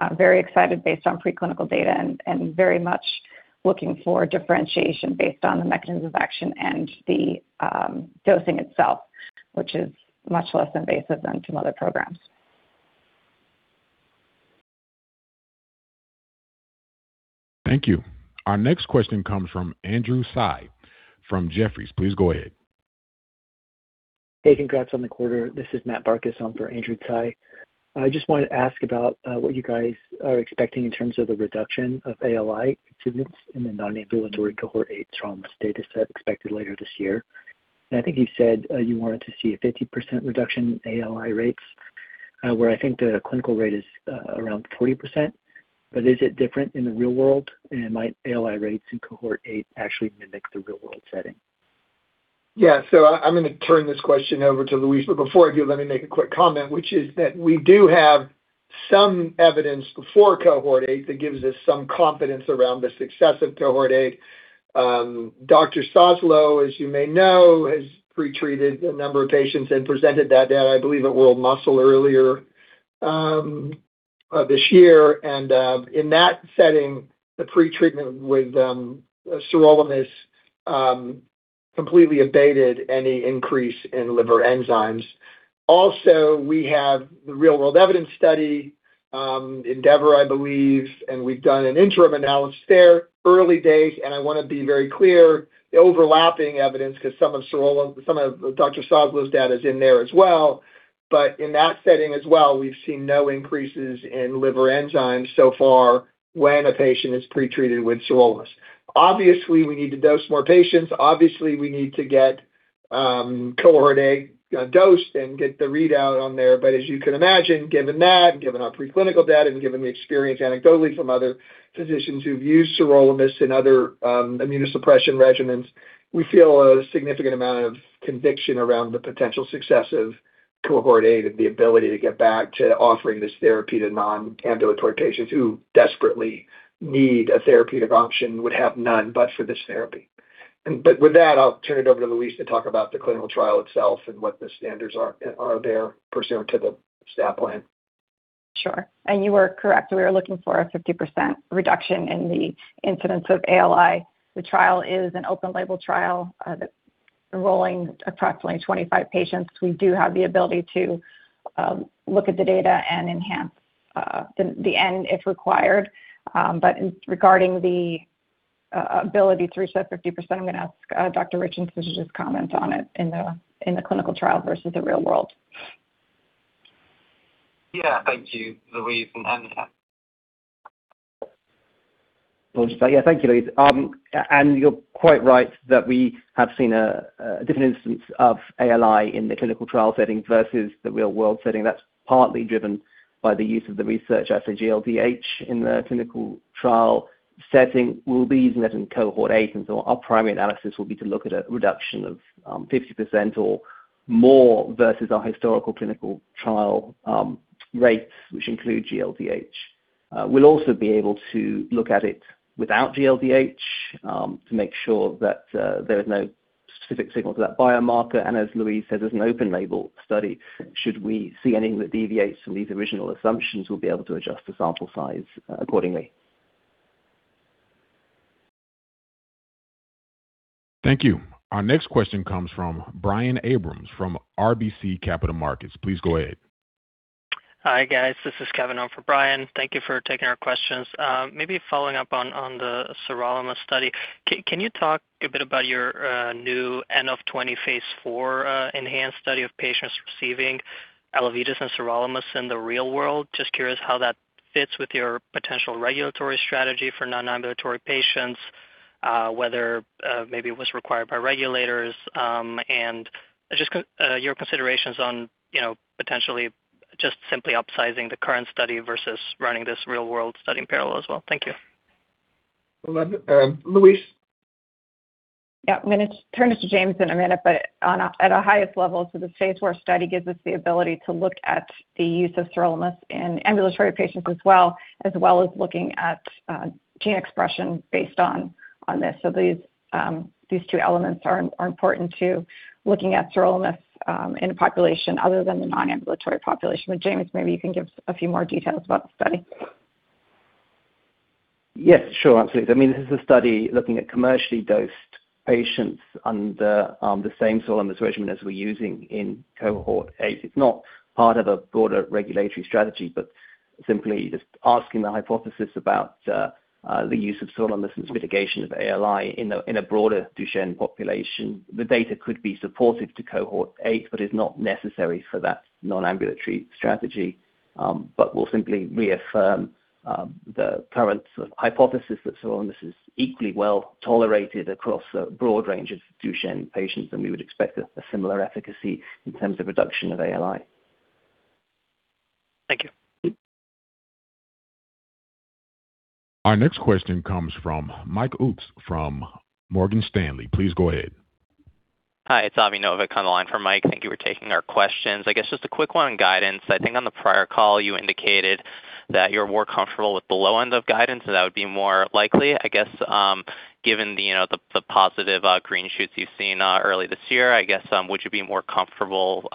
I'm very excited based on preclinical data and very much looking for differentiation based on the mechanisms of action and the dosing itself, which is much less invasive than some other programs. Thank you. Our next question comes from Andrew Tsai from Jefferies. Please go ahead. Hey, congrats on the quarter. This is Matt Barcus on for Andrew Tsai. I just wanted to ask about what you guys are expecting in terms of the reduction of ALI incidence in the non-ambulatory cohort 8 from this dataset expected later this year. I think you said you wanted to see a 50% reduction in ALI rates, where I think the clinical rate is around 40%, but is it different in the real world? Might ALI rates in cohort 8 actually mimic the real world setting? I'm gonna turn this question over to Louise, but before I do, let me make a quick comment, which is that we do have some evidence for cohort 8 that gives us some confidence around the success of cohort 8. Dr. Sossahlo, as you may know, has pre-treated a number of patients and presented that data, I believe, at World Muscle earlier this year. In that setting, the pretreatment with sirolimus completely abated any increase in liver enzymes. Also, we have the real world evidence study, ENDEAVOR, I believe, and we've done an interim analysis there. Early days, I wanna be very clear, the overlapping evidence 'cause some of Dr. Sossahlo's data is in there as well. In that setting as well, we've seen no increases in liver enzymes so far when a patient is pre-treated with sirolimus. Obviously, we need to dose more patients. Obviously, we need to get cohort A dosed and get the readout on there. As you can imagine, given that, given our preclinical data, and given the experience anecdotally from other physicians who've used sirolimus in other immunosuppression regimens, we feel a significant amount of conviction around the potential success of cohort A, the ability to get back to offering this therapy to non-ambulatory patients who desperately need a therapeutic option, would have none but for this therapy. With that, I'll turn it over to Louise to talk about the clinical trial itself and what the standards are there pursuant to the stat plan. Sure. You are correct. We are looking for a 50% reduction in the incidence of ALI. The trial is an open label trial that's enrolling approximately 25 patients. We do have the ability to look at the data and enhance the end if required. Regarding the ability to reach that 50%, I'm going to ask Dr. Richardson to just comment on it in the clinical trial versus the real world. Yeah. Thank you, Louise and Anya. Yeah. Thank you, Louise. And you're quite right that we have seen a different instance of ALI in the clinical trial setting versus the real world setting. That's partly driven by the use of the research as a GLDH in the clinical trial setting. We'll be using it in cohort A. Our primary analysis will be to look at a reduction of 50% or more versus our historical clinical trial rates, which include GLDH. We'll also be able to look at it without GLDH to make sure that there is no specific signal to that biomarker. As Louise says, as an open label study, should we see anything that deviates from these original assumptions, we'll be able to adjust the sample size accordingly. Thank you. Our next question comes from Brian Abrahams from RBC Capital Markets. Please go ahead. Hi, guys. This is Kevin on for Brian. Thank you for taking our questions. Maybe following up on the sirolimus study. Can you talk a bit about your new N of 20 phase IV enhanced study of patients receiving ELEVIDYS and sirolimus in the real world? Just curious how that fits with your potential regulatory strategy for non-ambulatory patients, whether maybe it was required by regulators, and just your considerations on, you know, potentially just simply upsizing the current study versus running this real world study in parallel as well. Thank you. Well, that, Louise. Yeah. I'm gonna turn this to James in a minute, at a highest level, the phase IV study gives us the ability to look at the use of sirolimus in ambulatory patients as well, as well as looking at gene expression based on this. These two elements are important to looking at sirolimus in a population other than the non-ambulatory population. James, maybe you can give a few more details about the study. Yes, sure. Absolutely. I mean, this is a study looking at commercially dosed patients under the same sirolimus regimen as we're using in cohort A. It's not part of a broader regulatory strategy, but simply just asking the hypothesis about the use of sirolimus and its mitigation of ALI in a broader Duchenne population. The data could be supportive to cohort A, but is not necessary for that non-ambulatory strategy. We'll simply reaffirm the current sort of hypothesis that sirolimus is equally well tolerated across a broad range of Duchenne patients than we would expect a similar efficacy in terms of reduction of ALI. Our next question comes from Mike Ulz from Morgan Stanley. Please go ahead. Hi, it's Avi Novak on the line for Mike. Thank you for taking our questions. I guess just a quick one on guidance. I think on the prior call you indicated that you're more comfortable with the low end of guidance, so that would be more likely. I guess, given the positive green shoots you've seen early this year, I guess, would you be more comfortable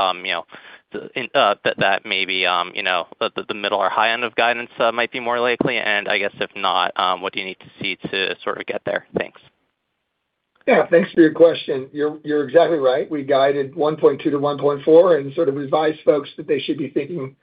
that maybe the middle or high end of guidance might be more likely? I guess if not, what do you need to see to sort of get there? Thanks. Yeah, thanks for your question. You're exactly right. We guided $1.2-$1.4 and sort of revised folks that they should be thinking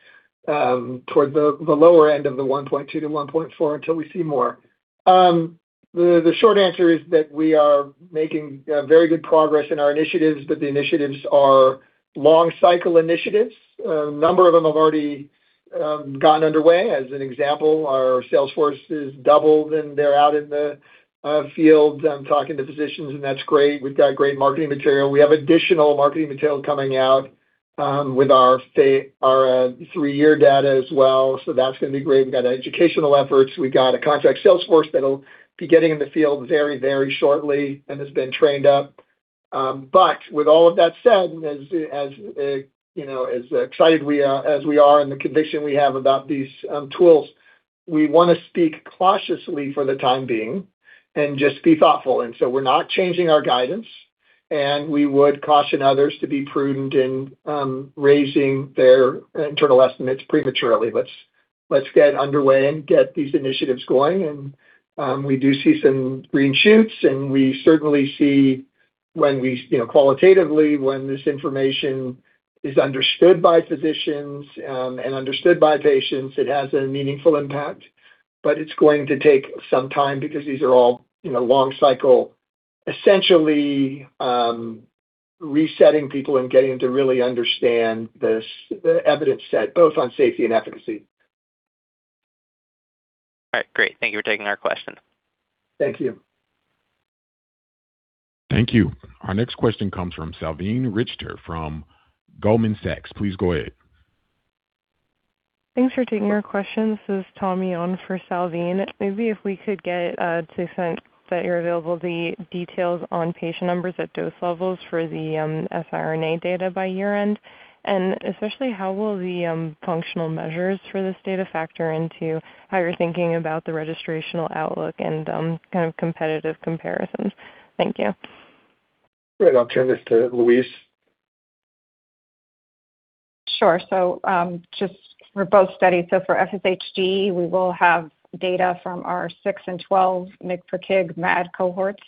toward the lower end of the $1.2-$1.4 until we see more. The short answer is that we are making very good progress in our initiatives, but the initiatives are long cycle initiatives. A number of them have already gone underway. As an example, our sales force is doubled, and they're out in the field talking to physicians, and that's great. We've got great marketing material. We have additional marketing material coming out with our three-year data as well. That's going to be great. We've got educational efforts. We got a contract sales force that'll be getting in the field very, very shortly and has been trained up. With all of that said, as, you know, as excited we are and the conviction we have about these tools, we wanna speak cautiously for the time being and just be thoughtful. We're not changing our guidance, and we would caution others to be prudent in raising their internal estimates prematurely. Let's get underway and get these initiatives going. We do see some green shoots, and we certainly see when we, you know, qualitatively when this information is understood by physicians and understood by patients, it has a meaningful impact. It's going to take some time because these are all, you know, long cycle, essentially, resetting people and getting them to really understand the evidence set, both on safety and efficacy. All right. Great. Thank you for taking our question. Thank you. Thank you. Our next question comes from Salveen Richter from Goldman Sachs. Please go ahead. Thanks for taking our question. This is Tommy on for Salveen. Maybe if we could get to a sense that you're available the details on patient numbers at dose levels for the siRNA data by year-end. Especially how will the functional measures for this data factor into how you're thinking about the registrational outlook and kind of competitive comparisons? Thank you. Great. I'll turn this to Louise. Sure. Just for both studies. For FSHD, we will have data from our 6 mg and 12 mg per kg MAD cohorts.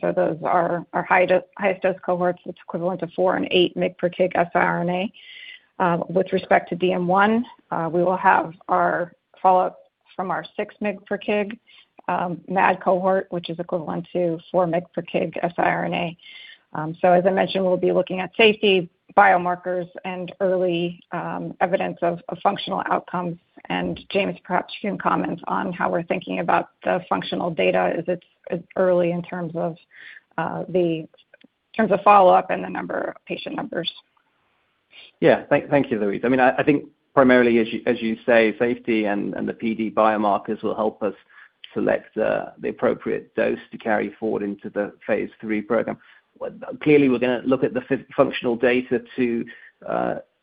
Those are our highest dose cohorts. It's equivalent to 4 mg and 8 mg per kg siRNA. With respect to DM1, we will have our follow-up from our 6 mg per kg MAD cohort, which is equivalent to 4 mg per kg siRNA. As I mentioned, we'll be looking at safety, biomarkers, and early evidence of functional outcomes. James, perhaps you can comment on how we're thinking about the functional data as it's early in terms of the follow-up and the number of patient numbers. Thank you, Louise. I mean, I think primarily as you say, safety and the PD biomarkers will help us select the appropriate dose to carry forward into the phase III program. Clearly, we're gonna look at the functional data to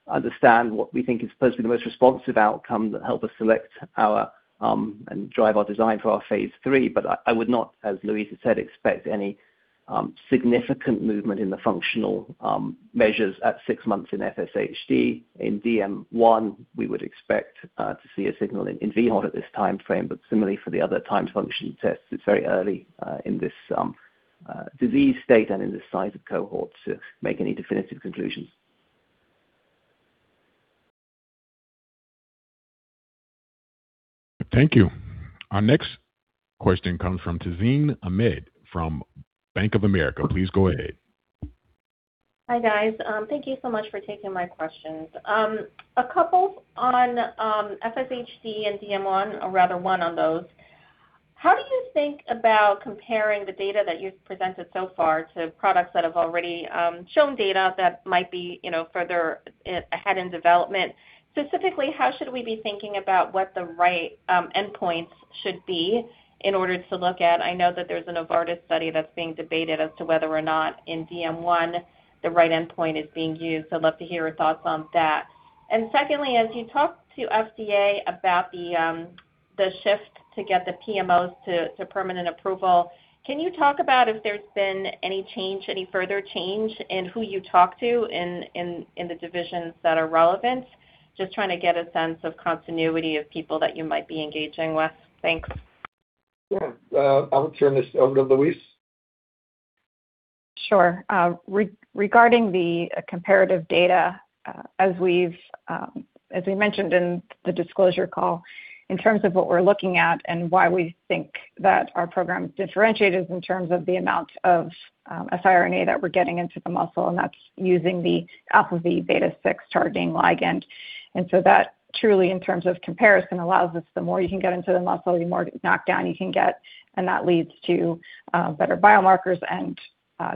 understand what we think is supposed to be the most responsive outcome that help us select our and drive our design for our phase III. I would not, as Louise has said, expect any significant movement in the functional measures at six months in FSHD. In DM1, we would expect to see a signal in vHOT at this timeframe, similarly for the other time function tests, it's very early in this disease state and in the size of cohorts to make any definitive conclusions. Thank you. Our next question comes from Tazeen Ahmad from Bank of America. Please go ahead. Hi, guys. Thank you so much for taking my questions. A couple on FSHD and DM1, or rather one on those. How do you think about comparing the data that you've presented so far to products that have already shown data that might be, you know, further ahead in development? Specifically, how should we be thinking about what the right endpoints should be in order to look at? I know that there's a Novartis study that's being debated as to whether or not in DM1 the right endpoint is being used. I'd love to hear your thoughts on that. Secondly, as you talk to FDA about the shift to get the PMOs to permanent approval, can you talk about if there's been any change, any further change in who you talk to in the divisions that are relevant? Just trying to get a sense of continuity of people that you might be engaging with. Thanks. Yeah. I'll turn this over to Louise. Sure. Regarding the comparative data, as we've, as we mentioned in the disclosure call, in terms of what we're looking at and why we think that our program is differentiated in terms of the amount of siRNA that we're getting into the muscle, and that's using the alpha-v beta-6 targeting ligand. That truly in terms of comparison allows us, the more you can get into the muscle, the more knockdown you can get, and that leads to better biomarkers and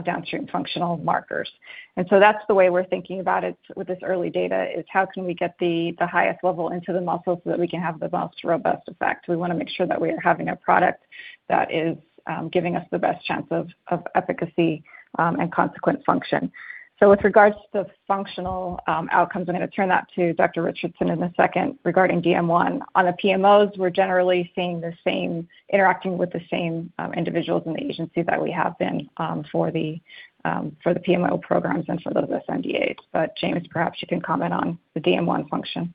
downstream functional markers. That's the way we're thinking about it with this early data is how can we get the highest level into the muscle so that we can have the most robust effect. We wanna make sure that we are having a product that is giving us the best chance of efficacy and consequent function. With regards to functional outcomes, I'm gonna turn that to Dr. Richardson in a second regarding DM1. On the PMOs, we're generally interacting with the same individuals in the agency that we have been for the PMO programs and for those NDAs. James, perhaps you can comment on the DM1 function.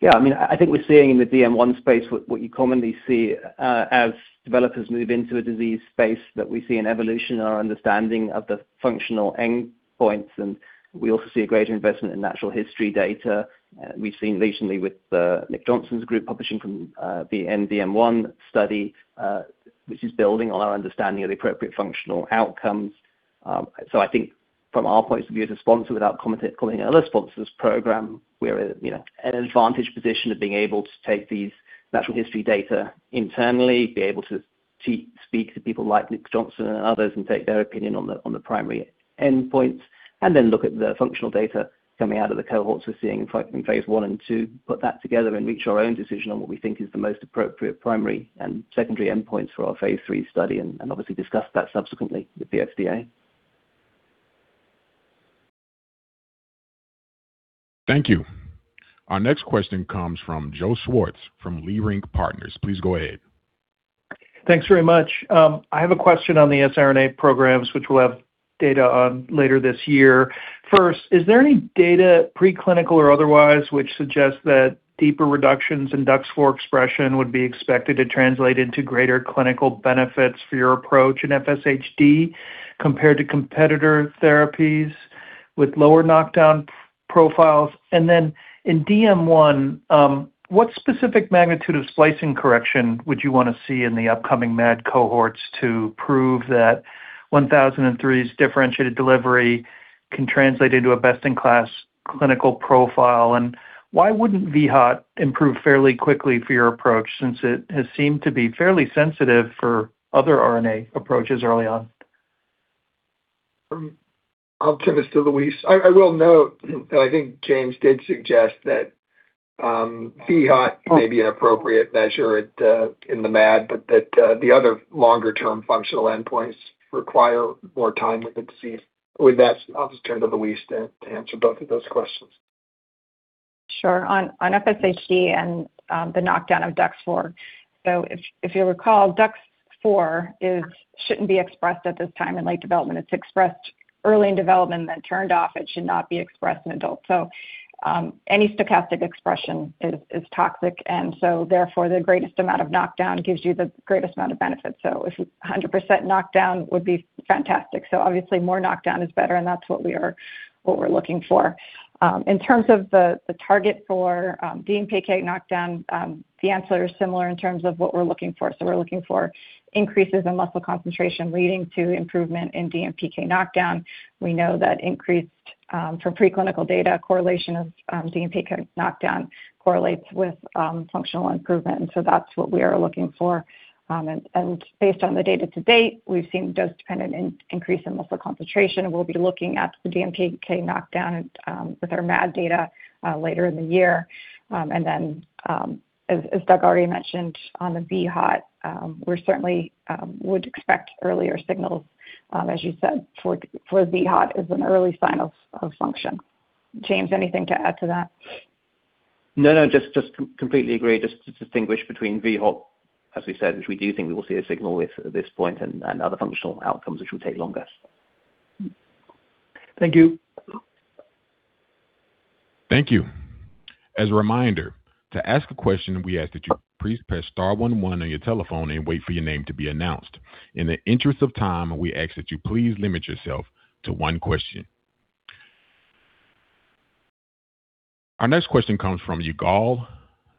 Yeah, I mean, I think we're seeing in the DM1 space what you commonly see, as developers move into a disease space that we see an evolution in our understanding of the functional endpoints, and we also see a greater investment in natural history data. We've seen recently with Nicholas Johnson's group publishing from the DM1 study, which is building on our understanding of the appropriate functional outcomes. I think from our point of view as a sponsor, without commenting other sponsors' program, we're at, you know, at an advantage position of being able to take these natural history data internally, be able to speak to people like Nick Johnson and others and take their opinion on the, on the primary endpoints, and then look at the functional data coming out of the cohorts we're seeing in phase I and II, put that together and reach our own decision on what we think is the most appropriate primary and secondary endpoints for our phase III study, and obviously discuss that subsequently with the FDA. Thank you. Our next question comes from Joe Schwartz from Leerink Partners. Please go ahead. Thanks very much. I have a question on the siRNA programs, which we'll have data on later this year. First, is there any data, preclinical or otherwise, which suggests that deeper reductions in DUX4 expression would be expected to translate into greater clinical benefits for your approach in FSHD compared to competitor therapies with lower knockdown p-profiles? In DM1, what specific magnitude of splicing correction would you wanna see in the upcoming MAD cohorts to prove that 1003's differentiated delivery can translate into a best-in-class clinical profile? Why wouldn't VHA-T improve fairly quickly for your approach, since it has seemed to be fairly sensitive for other RNA approaches early on? I'll turn this to Louise. I will note that I think James did suggest that VHA-T may be an appropriate measure at in the MAD, but that the other longer-term functional endpoints require more time with the disease. With that, I'll just turn to Louise to answer both of those questions. Sure. On FSHD and the knockdown of DUX4. If you'll recall, DUX4 shouldn't be expressed at this time in late development. It's expressed early in development, then turned off. It should not be expressed in adults. Any stochastic expression is toxic, and so therefore, the greatest amount of knockdown gives you the greatest amount of benefit. If 100% knockdown would be fantastic. Obviously more knockdown is better, and that's what we're looking for. In terms of the target for DMPK knockdown, the answer is similar in terms of what we're looking for. We're looking for increases in muscle concentration leading to improvement in DMPK knockdown. We know that increased from preclinical data, correlation of DMPK knockdown correlates with functional improvement. That's what we are looking for. Based on the data to date, we've seen dose-dependent increase in muscle concentration. We'll be looking at the DMPK knockdown with our MAD data later in the year. As Doug already mentioned on the VHA-T, we certainly would expect earlier signals as you said for VHA-T as an early sign of function. James, anything to add to that? No, just completely agree. Just to distinguish between VHA-T, as we said, which we do think we will see a signal with at this point and other functional outcomes which will take longer. Thank you. Thank you. As a reminder, to ask a question, we ask that you please press star one one on your telephone and wait for your name to be announced. In the interest of time, we ask that you please limit yourself to one question. Our next question comes from Yigal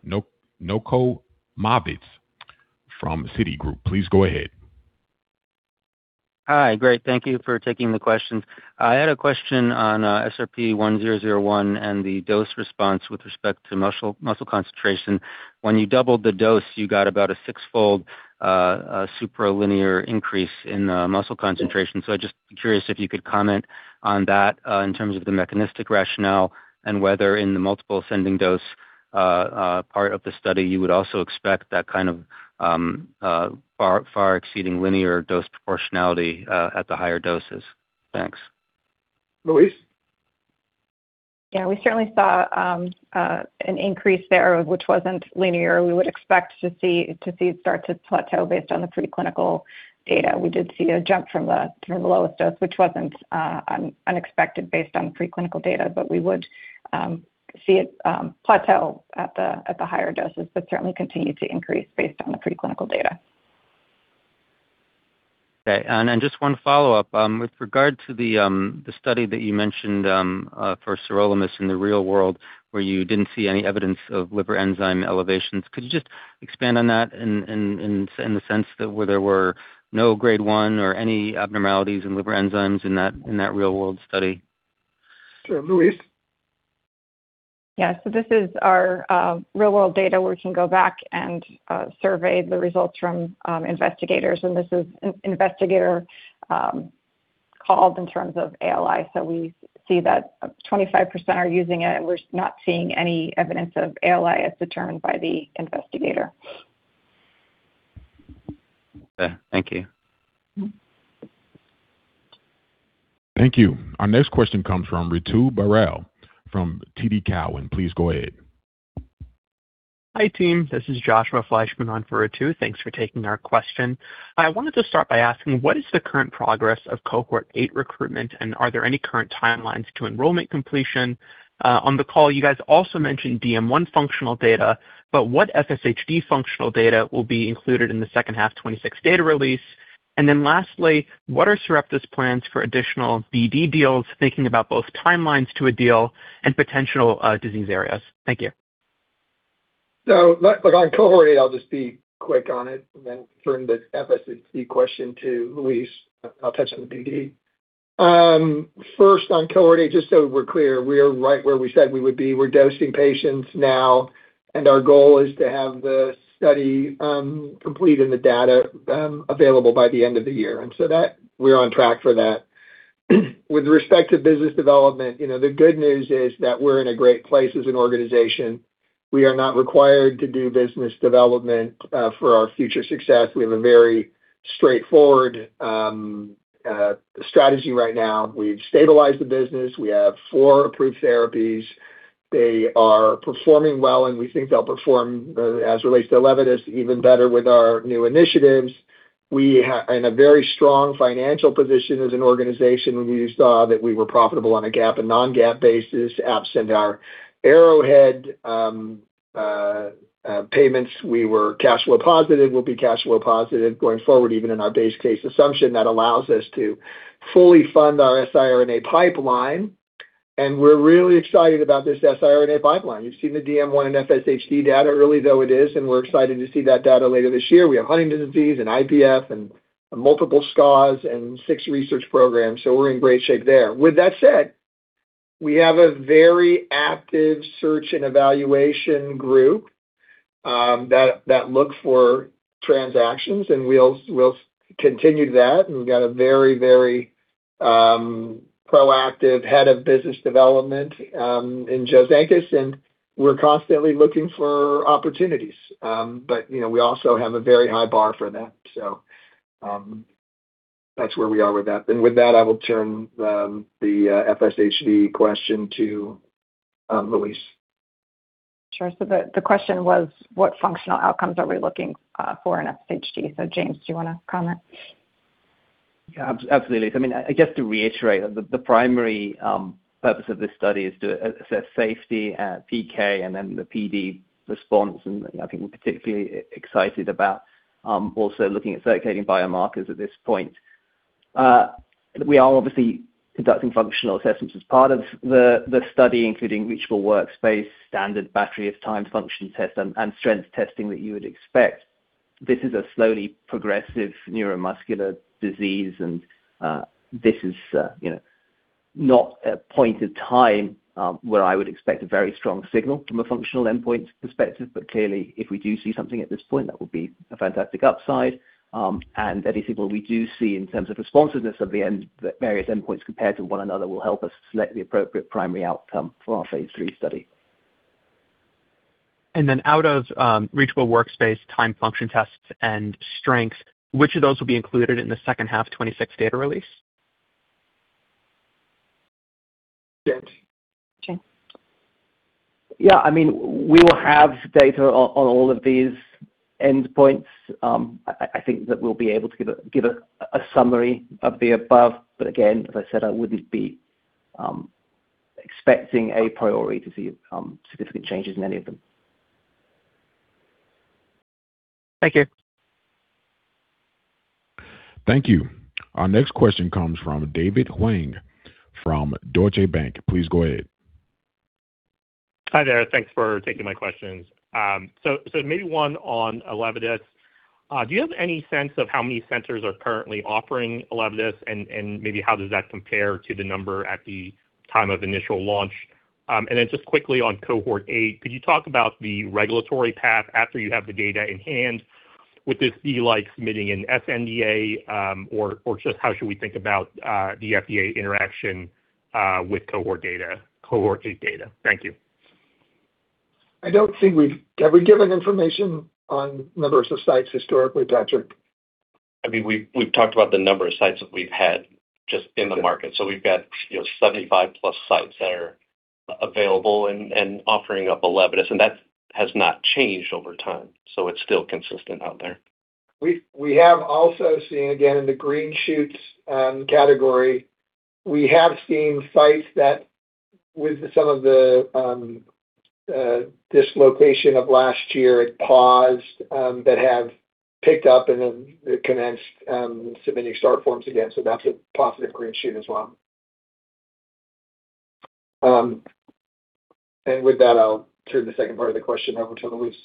Nochomovitz from Citigroup. Please go ahead. Hi. Great. Thank you for taking the questions. I had a question on SRP-1001 and the dose response with respect to muscle concentration. When you doubled the dose, you got about a six-fold super linear increase in muscle concentration. I'd just be curious if you could comment on that in terms of the mechanistic rationale and whether in the multiple ascending dose part of the study, you would also expect that kind of far exceeding linear dose proportionality at the higher doses. Thanks. Louise? Yeah. We certainly saw an increase there which wasn't linear. We would expect to see it start to plateau based on the preclinical data. We did see a jump from the lowest dose, which wasn't un-unexpected based on the preclinical data. We would see it plateau at the higher doses, but certainly continue to increase based on the preclinical data. Okay. Just one follow-up. With regard to the study that you mentioned, for sirolimus in the real world where you didn't see any evidence of liver enzyme elevations, could you just expand on that in the sense that where there were no grade 1 or any abnormalities in liver enzymes in that real-world study? Sure. Louise? Yeah. This is our real-world data where we can go back and survey the results from investigators, and this is an investigator called in terms of ALI. We see that 25% are using it, and we're not seeing any evidence of ALI as determined by the investigator. Yeah. Thank you. Thank you. Our next question comes from Ritu Baral from TD Cowen. Please go ahead. Hi, team. This is Joshua Fleishman on for Ritu. Thanks for taking our question. I wanted to start by asking, what is the current progress of cohort 8 recruitment, and are there any current timelines to enrollment completion? On the call, you guys also mentioned DM1 functional data, but what FSHD functional data will be included in the second half 2026 data release? Lastly, what are Sarepta's plans for additional BD deals, thinking about both timelines to a deal and potential disease areas? Thank you. Like on cohort 8, I'll just be quick on it and then turn the FSHD question to Louise. I'll touch on the BD. First on cohort A, just so we're clear, we are right where we said we would be. We're dosing patients now, and our goal is to have the study complete and the data available by the end of the year. That we're on track for that. With respect to business development, you know, the good news is that we're in a great place as an organization. We are not required to do business development for our future success. We have a very straightforward strategy right now. We've stabilized the business. We have four approved therapies. They are performing well, and we think they'll perform as it relates to ELEVIDYS even better with our new initiatives. In a very strong financial position as an organization. We saw that we were profitable on a GAAP and non-GAAP basis, absent our Arrowhead payments. We were cash flow positive. We'll be cash flow positive going forward, even in our base case assumption. That allows us to fully fund our siRNA pipeline, and we're really excited about this siRNA pipeline. You've seen the DM1 and FSHD data, early though it is, and we're excited to see that data later this year. We have Huntington's disease and IPF and multiple SCAs and six research programs, we're in great shape there. With that said, we have a very active search and evaluation group that looks for transactions, we'll continue that. We've got a very proactive head of business development in Joe Zenkus, we're constantly looking for opportunities. You know, we also have a very high bar for that. That's where we are with that. With that, I will turn the FSHD question to Louise. Sure. The question was, what functional outcomes are we looking for in FSHD? James, do you wanna comment? Yeah, absolutely. I mean, I guess to reiterate, the primary purpose of this study is to assess safety, PK, and then the PD response. I think we're particularly excited about also looking at circulating biomarkers at this point. We are obviously conducting functional assessments as part of the study, including reachable workspace, standard battery of time function tests, and strength testing that you would expect. This is a slowly progressive neuromuscular disease. This is, you know, not a point in time where I would expect a very strong signal from a functional endpoint perspective. Clearly, if we do see something at this point, that would be a fantastic upside. Anything what we do see in terms of responsiveness of the various endpoints compared to one another will help us select the appropriate primary outcome for our phase III study. Out of reachable workspace, time function tests, and strengths, which of those will be included in the second half 2026 data release? James. James. Yeah. I mean, we will have data on all of these endpoints. I think that we'll be able to give a summary of the above, but again, as I said, I wouldn't be expecting a priority to see significant changes in any of them. Thank you. Thank you. Our next question comes from David Hoang from Deutsche Bank. Please go ahead. Hi there. Thanks for taking my questions. Maybe one on ELEVIDYS. Do you have any sense of how many centers are currently offering ELEVIDYS and maybe how does that compare to the number at the time of initial launch? Just quickly on Cohort A, could you talk about the regulatory path after you have the data in hand? Would this be like submitting an sNDA or just how should we think about the FDA interaction with Cohort A data? Thank you. I don't think Have we given information on numbers of sites historically, Patrick? I mean, we've talked about the number of sites that we've had just in the market. We've got, you know, 75+ sites that are available and offering up ELEVIDYS, and that has not changed over time. It's still consistent out there. We have also seen, again, in the green shoots category, we have seen sites that with some of the dislocation of last year, it paused, that have picked up and have commenced submitting start forms again. That's a positive green shoot as well. And with that, I'll turn the second part of the question over to Louise.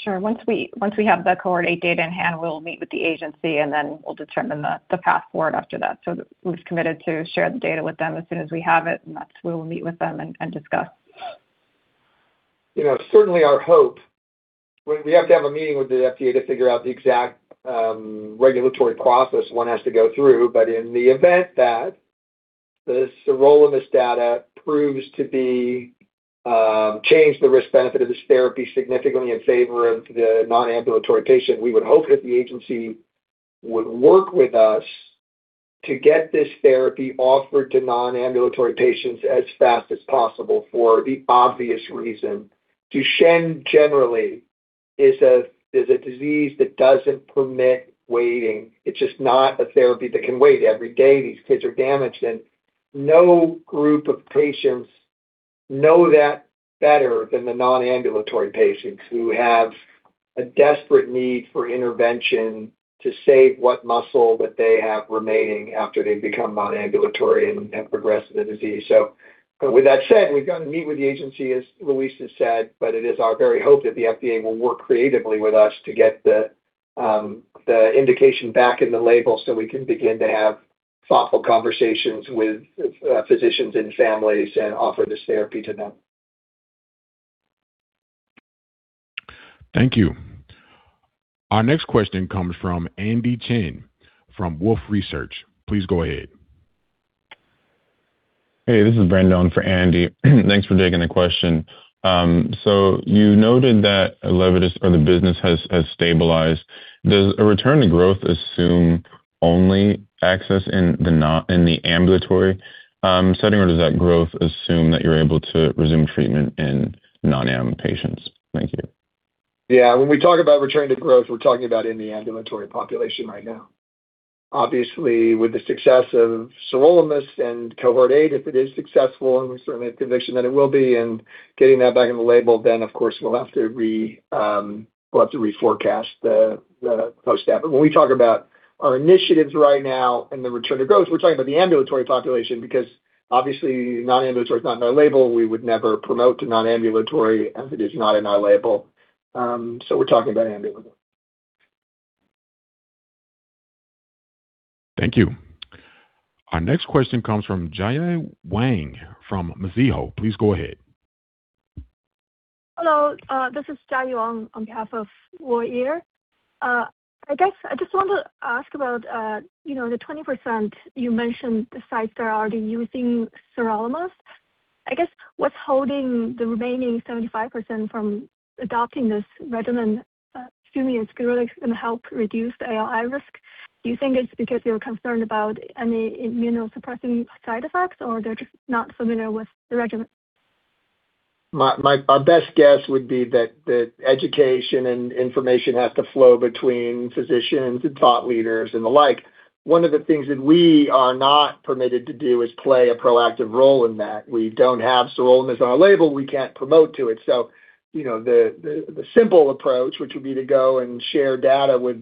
Sure. Once we have the cohort A data in hand, we'll meet with the agency, and then we'll determine the path forward after that. We've committed to share the data with them as soon as we have it, and that's we will meet with them and discuss. You know, certainly we have to have a meeting with the FDA to figure out the exact regulatory process one has to go through. In the event this, the role of this data proves to be, change the risk benefit of this therapy significantly in favor of the non-ambulatory patient. We would hope that the agency would work with us to get this therapy offered to non-ambulatory patients as fast as possible for the obvious reason. Duchenne generally is a disease that doesn't permit waiting. It's just not a therapy that can wait. Every day these kids are damaged, no group of patients know that better than the non-ambulatory patients who have a desperate need for intervention to save what muscle that they have remaining after they've become non-ambulatory and have progressed the disease. With that said, we're going to meet with the agency, as Louise has said, it is our very hope that the FDA will work creatively with us to get the indication back in the label so we can begin to have thoughtful conversations with physicians and families and offer this therapy to them. Thank you. Our next question comes from Andy Chen from Wolfe Research. Please go ahead. Hey, this is Brandon for Andy. Thanks for taking the question. You noted that ELEVIDYS or the business has stabilized. Does a return to growth assume only access in the ambulatory setting, or does that growth assume that you're able to resume treatment in non-ambo patients? Thank you. Yeah, when we talk about return to growth, we're talking about in the ambulatory population right now. Obviously, with the success of sirolimus and cohort A, if it is successful, and we certainly have conviction that it will be, and getting that back in the label, then of course, we'll have to reforecast the post-op. When we talk about our initiatives right now and the return to growth, we're talking about the ambulatory population because obviously non-ambulatory is not in our label. We would never promote to non-ambulatory as it is not in our label. We're talking about ambulatory. Thank you. Our next question comes from Jiayi Wang from Mizuho. Please go ahead. Hello, this is Jiayi Wang on behalf of Uy Ear. I guess I just want to ask about, you know, the 20% you mentioned the sites that are already using sirolimus. I guess what's holding the remaining 75% from adopting this regimen, assuming it's really gonna help reduce the ALI risk? Do you think it's because they're concerned about any immunosuppressing side effects, or they're just not familiar with the regimen? Our best guess would be that education and information has to flow between physicians and thought leaders and the like. One of the things that we are not permitted to do is play a proactive role in that. We don't have sirolimus on our label. We can't promote to it. You know, the simple approach, which would be to go and share data with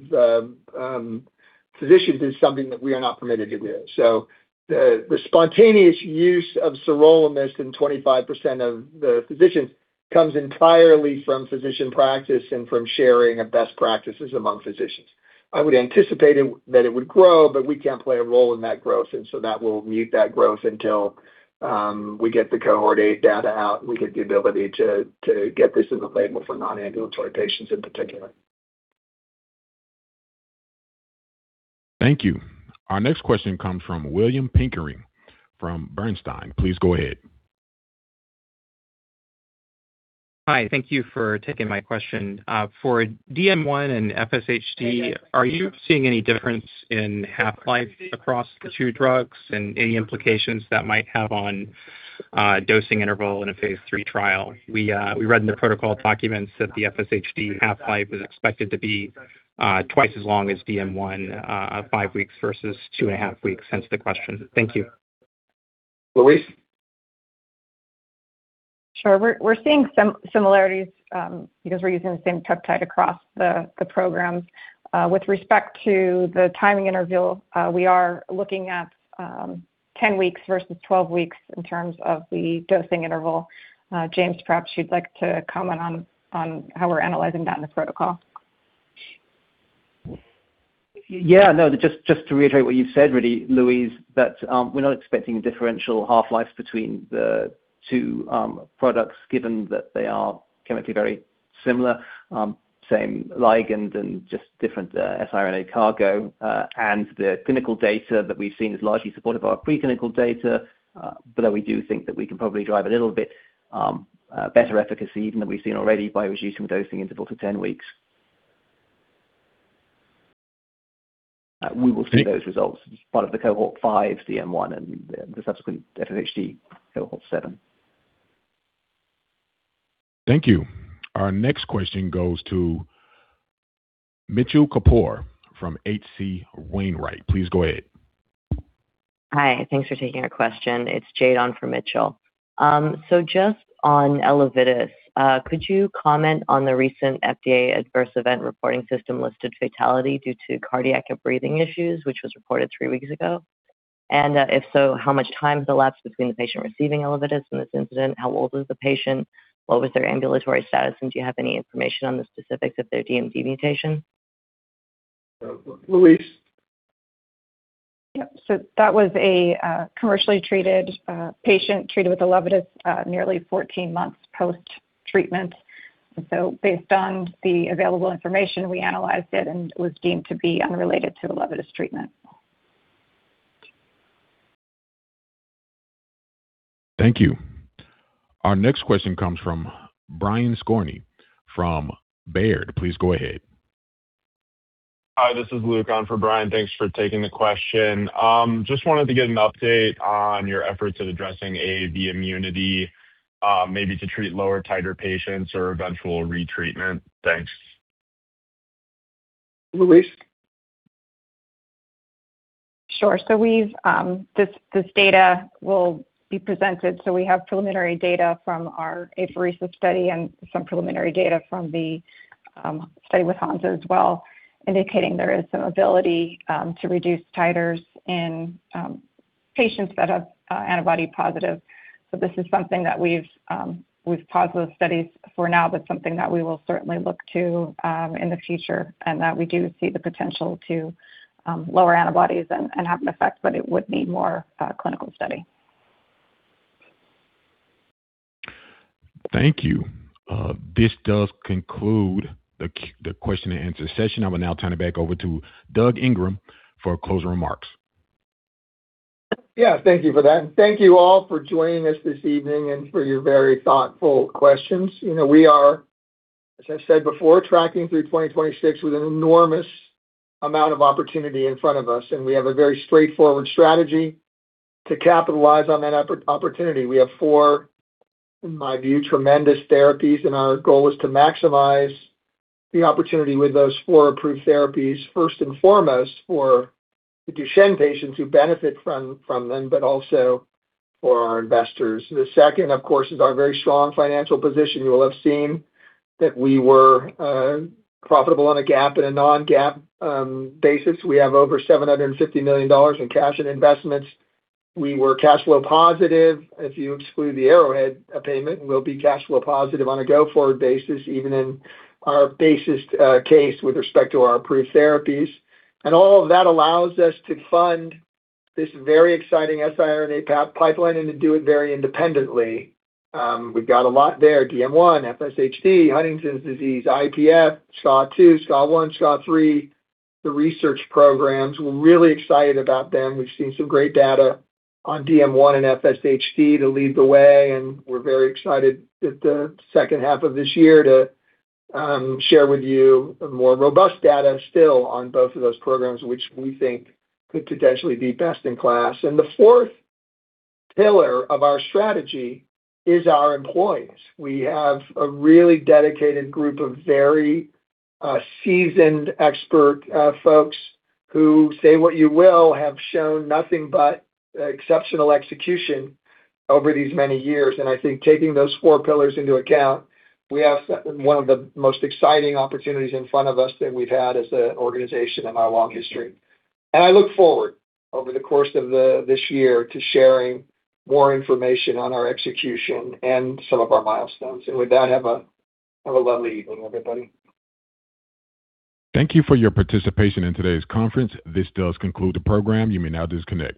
physicians, is something that we are not permitted to do. The spontaneous use of sirolimus in 25% of the physicians comes entirely from physician practice and from sharing of best practices among physicians. I would anticipate it, that it would grow. We can't play a role in that growth. That will mute that growth until we get the cohort A data out. We get the ability to get this in the label for non-ambulatory patients in particular. Thank you. Our next question comes from William Pickering from Bernstein. Please go ahead. Hi. Thank you for taking my question. For DM1 and FSHD, are you seeing any difference in half-life across the two drugs and any implications that might have on dosing interval in a phase III trial? We read in the protocol documents that the FSHD half-life is expected to be twice as long as DM1, five weeks versus 2.5 weeks. Hence the question. Thank you. Louise? Sure. We're seeing similarities because we're using the same peptide across the programs. With respect to the timing interval, we are looking at 10 weeks versus 12 weeks in terms of the dosing interval. James, perhaps you'd like to comment on how we're analyzing that in the protocol. Just to reiterate what you said really, Louise, that we're not expecting differential half-lives between the two products given that they are chemically very similar. Same ligand and just different siRNA cargo. The clinical data that we've seen is largely supportive of our preclinical data. We do think that we can probably drive a little bit better efficacy even than we've seen already by reducing dosing interval to 10 weeks. We will see those results as part of the cohort 5, DM1, and the subsequent FSHD, cohort 7. Thank you. Our next question goes to Mitchell Kapoor from H.C. Wainwright. Please go ahead. Hi. Thanks for taking our question. It's Jade on for Mitchell. Just on ELEVIDYS, could you comment on the recent FDA adverse event reporting system-listed fatality due to cardiac and breathing issues, which was reported three weeks ago? If so, how much time has elapsed between the patient receiving ELEVIDYS and this incident? How old was the patient? What was their ambulatory status? Do you have any information on the specifics of their DMD mutation? Louise? Yep. That was a commercially treated patient treated with ELEVIDYS, nearly 14 months post-treatment. Based on the available information, we analyzed it and it was deemed to be unrelated to ELEVIDYS treatment. Thank you. Our next question comes from Brian Skorney from Baird. Please go ahead. Hi, this is Luke on for Brian. Thanks for taking the question. Just wanted to get an update on your efforts of addressing AAV immunity, maybe to treat lower titer patients or eventual retreatment. Thanks. Louise? Sure. This data will be presented, so we have preliminary data from our apheresis study and some preliminary data from the study with Hansa as well, indicating there is some ability to reduce titers in patients that have antibody positive. This is something that we've paused those studies for now, but something that we will certainly look to in the future, and that we do see the potential to lower antibodies and have an effect, but it would need more clinical study. Thank you. This does conclude the question and answer session. I will now turn it back over to Douglas Ingram for closing remarks. Yeah. Thank you for that. Thank you all for joining us this evening and for your very thoughtful questions. You know, we are, as I said before, tracking through 2026 with an enormous amount of opportunity in front of us. We have a very straightforward strategy to capitalize on that opportunity. We have four, in my view, tremendous therapies. Our goal is to maximize the opportunity with those four approved therapies, first and foremost for the Duchenne patients who benefit from them, but also for our investors. The second, of course, is our very strong financial position. You will have seen that we were profitable on a GAAP and a non-GAAP basis. We have over $750 million in cash and investments. We were cash flow positive. If you exclude the Arrowhead payment, we'll be cash flow positive on a go-forward basis, even in our basest case with respect to our approved therapies. All of that allows us to fund this very exciting siRNA pipeline and to do it very independently. We've got a lot there. DM1, FSHD, Huntington's disease, IPF, SCA2, SCA1, SCA3, the research programs. We're really excited about them. We've seen some great data on DM1 and FSHD to lead the way, and we're very excited at the second half of this year to share with you more robust data still on both of those programs, which we think could potentially be best in class. The fourth pillar of our strategy is our employees. We have a really dedicated group of very seasoned expert folks who, say what you will, have shown nothing but exceptional execution over these many years. I think taking those four pillars into account, we have one of the most exciting opportunities in front of us than we've had as an organization in our long history. I look forward over the course of the, this year to sharing more information on our execution and some of our milestones. With that, have a lovely evening, everybody. Thank you for your participation in today's conference. This does conclude the program. You may now disconnect.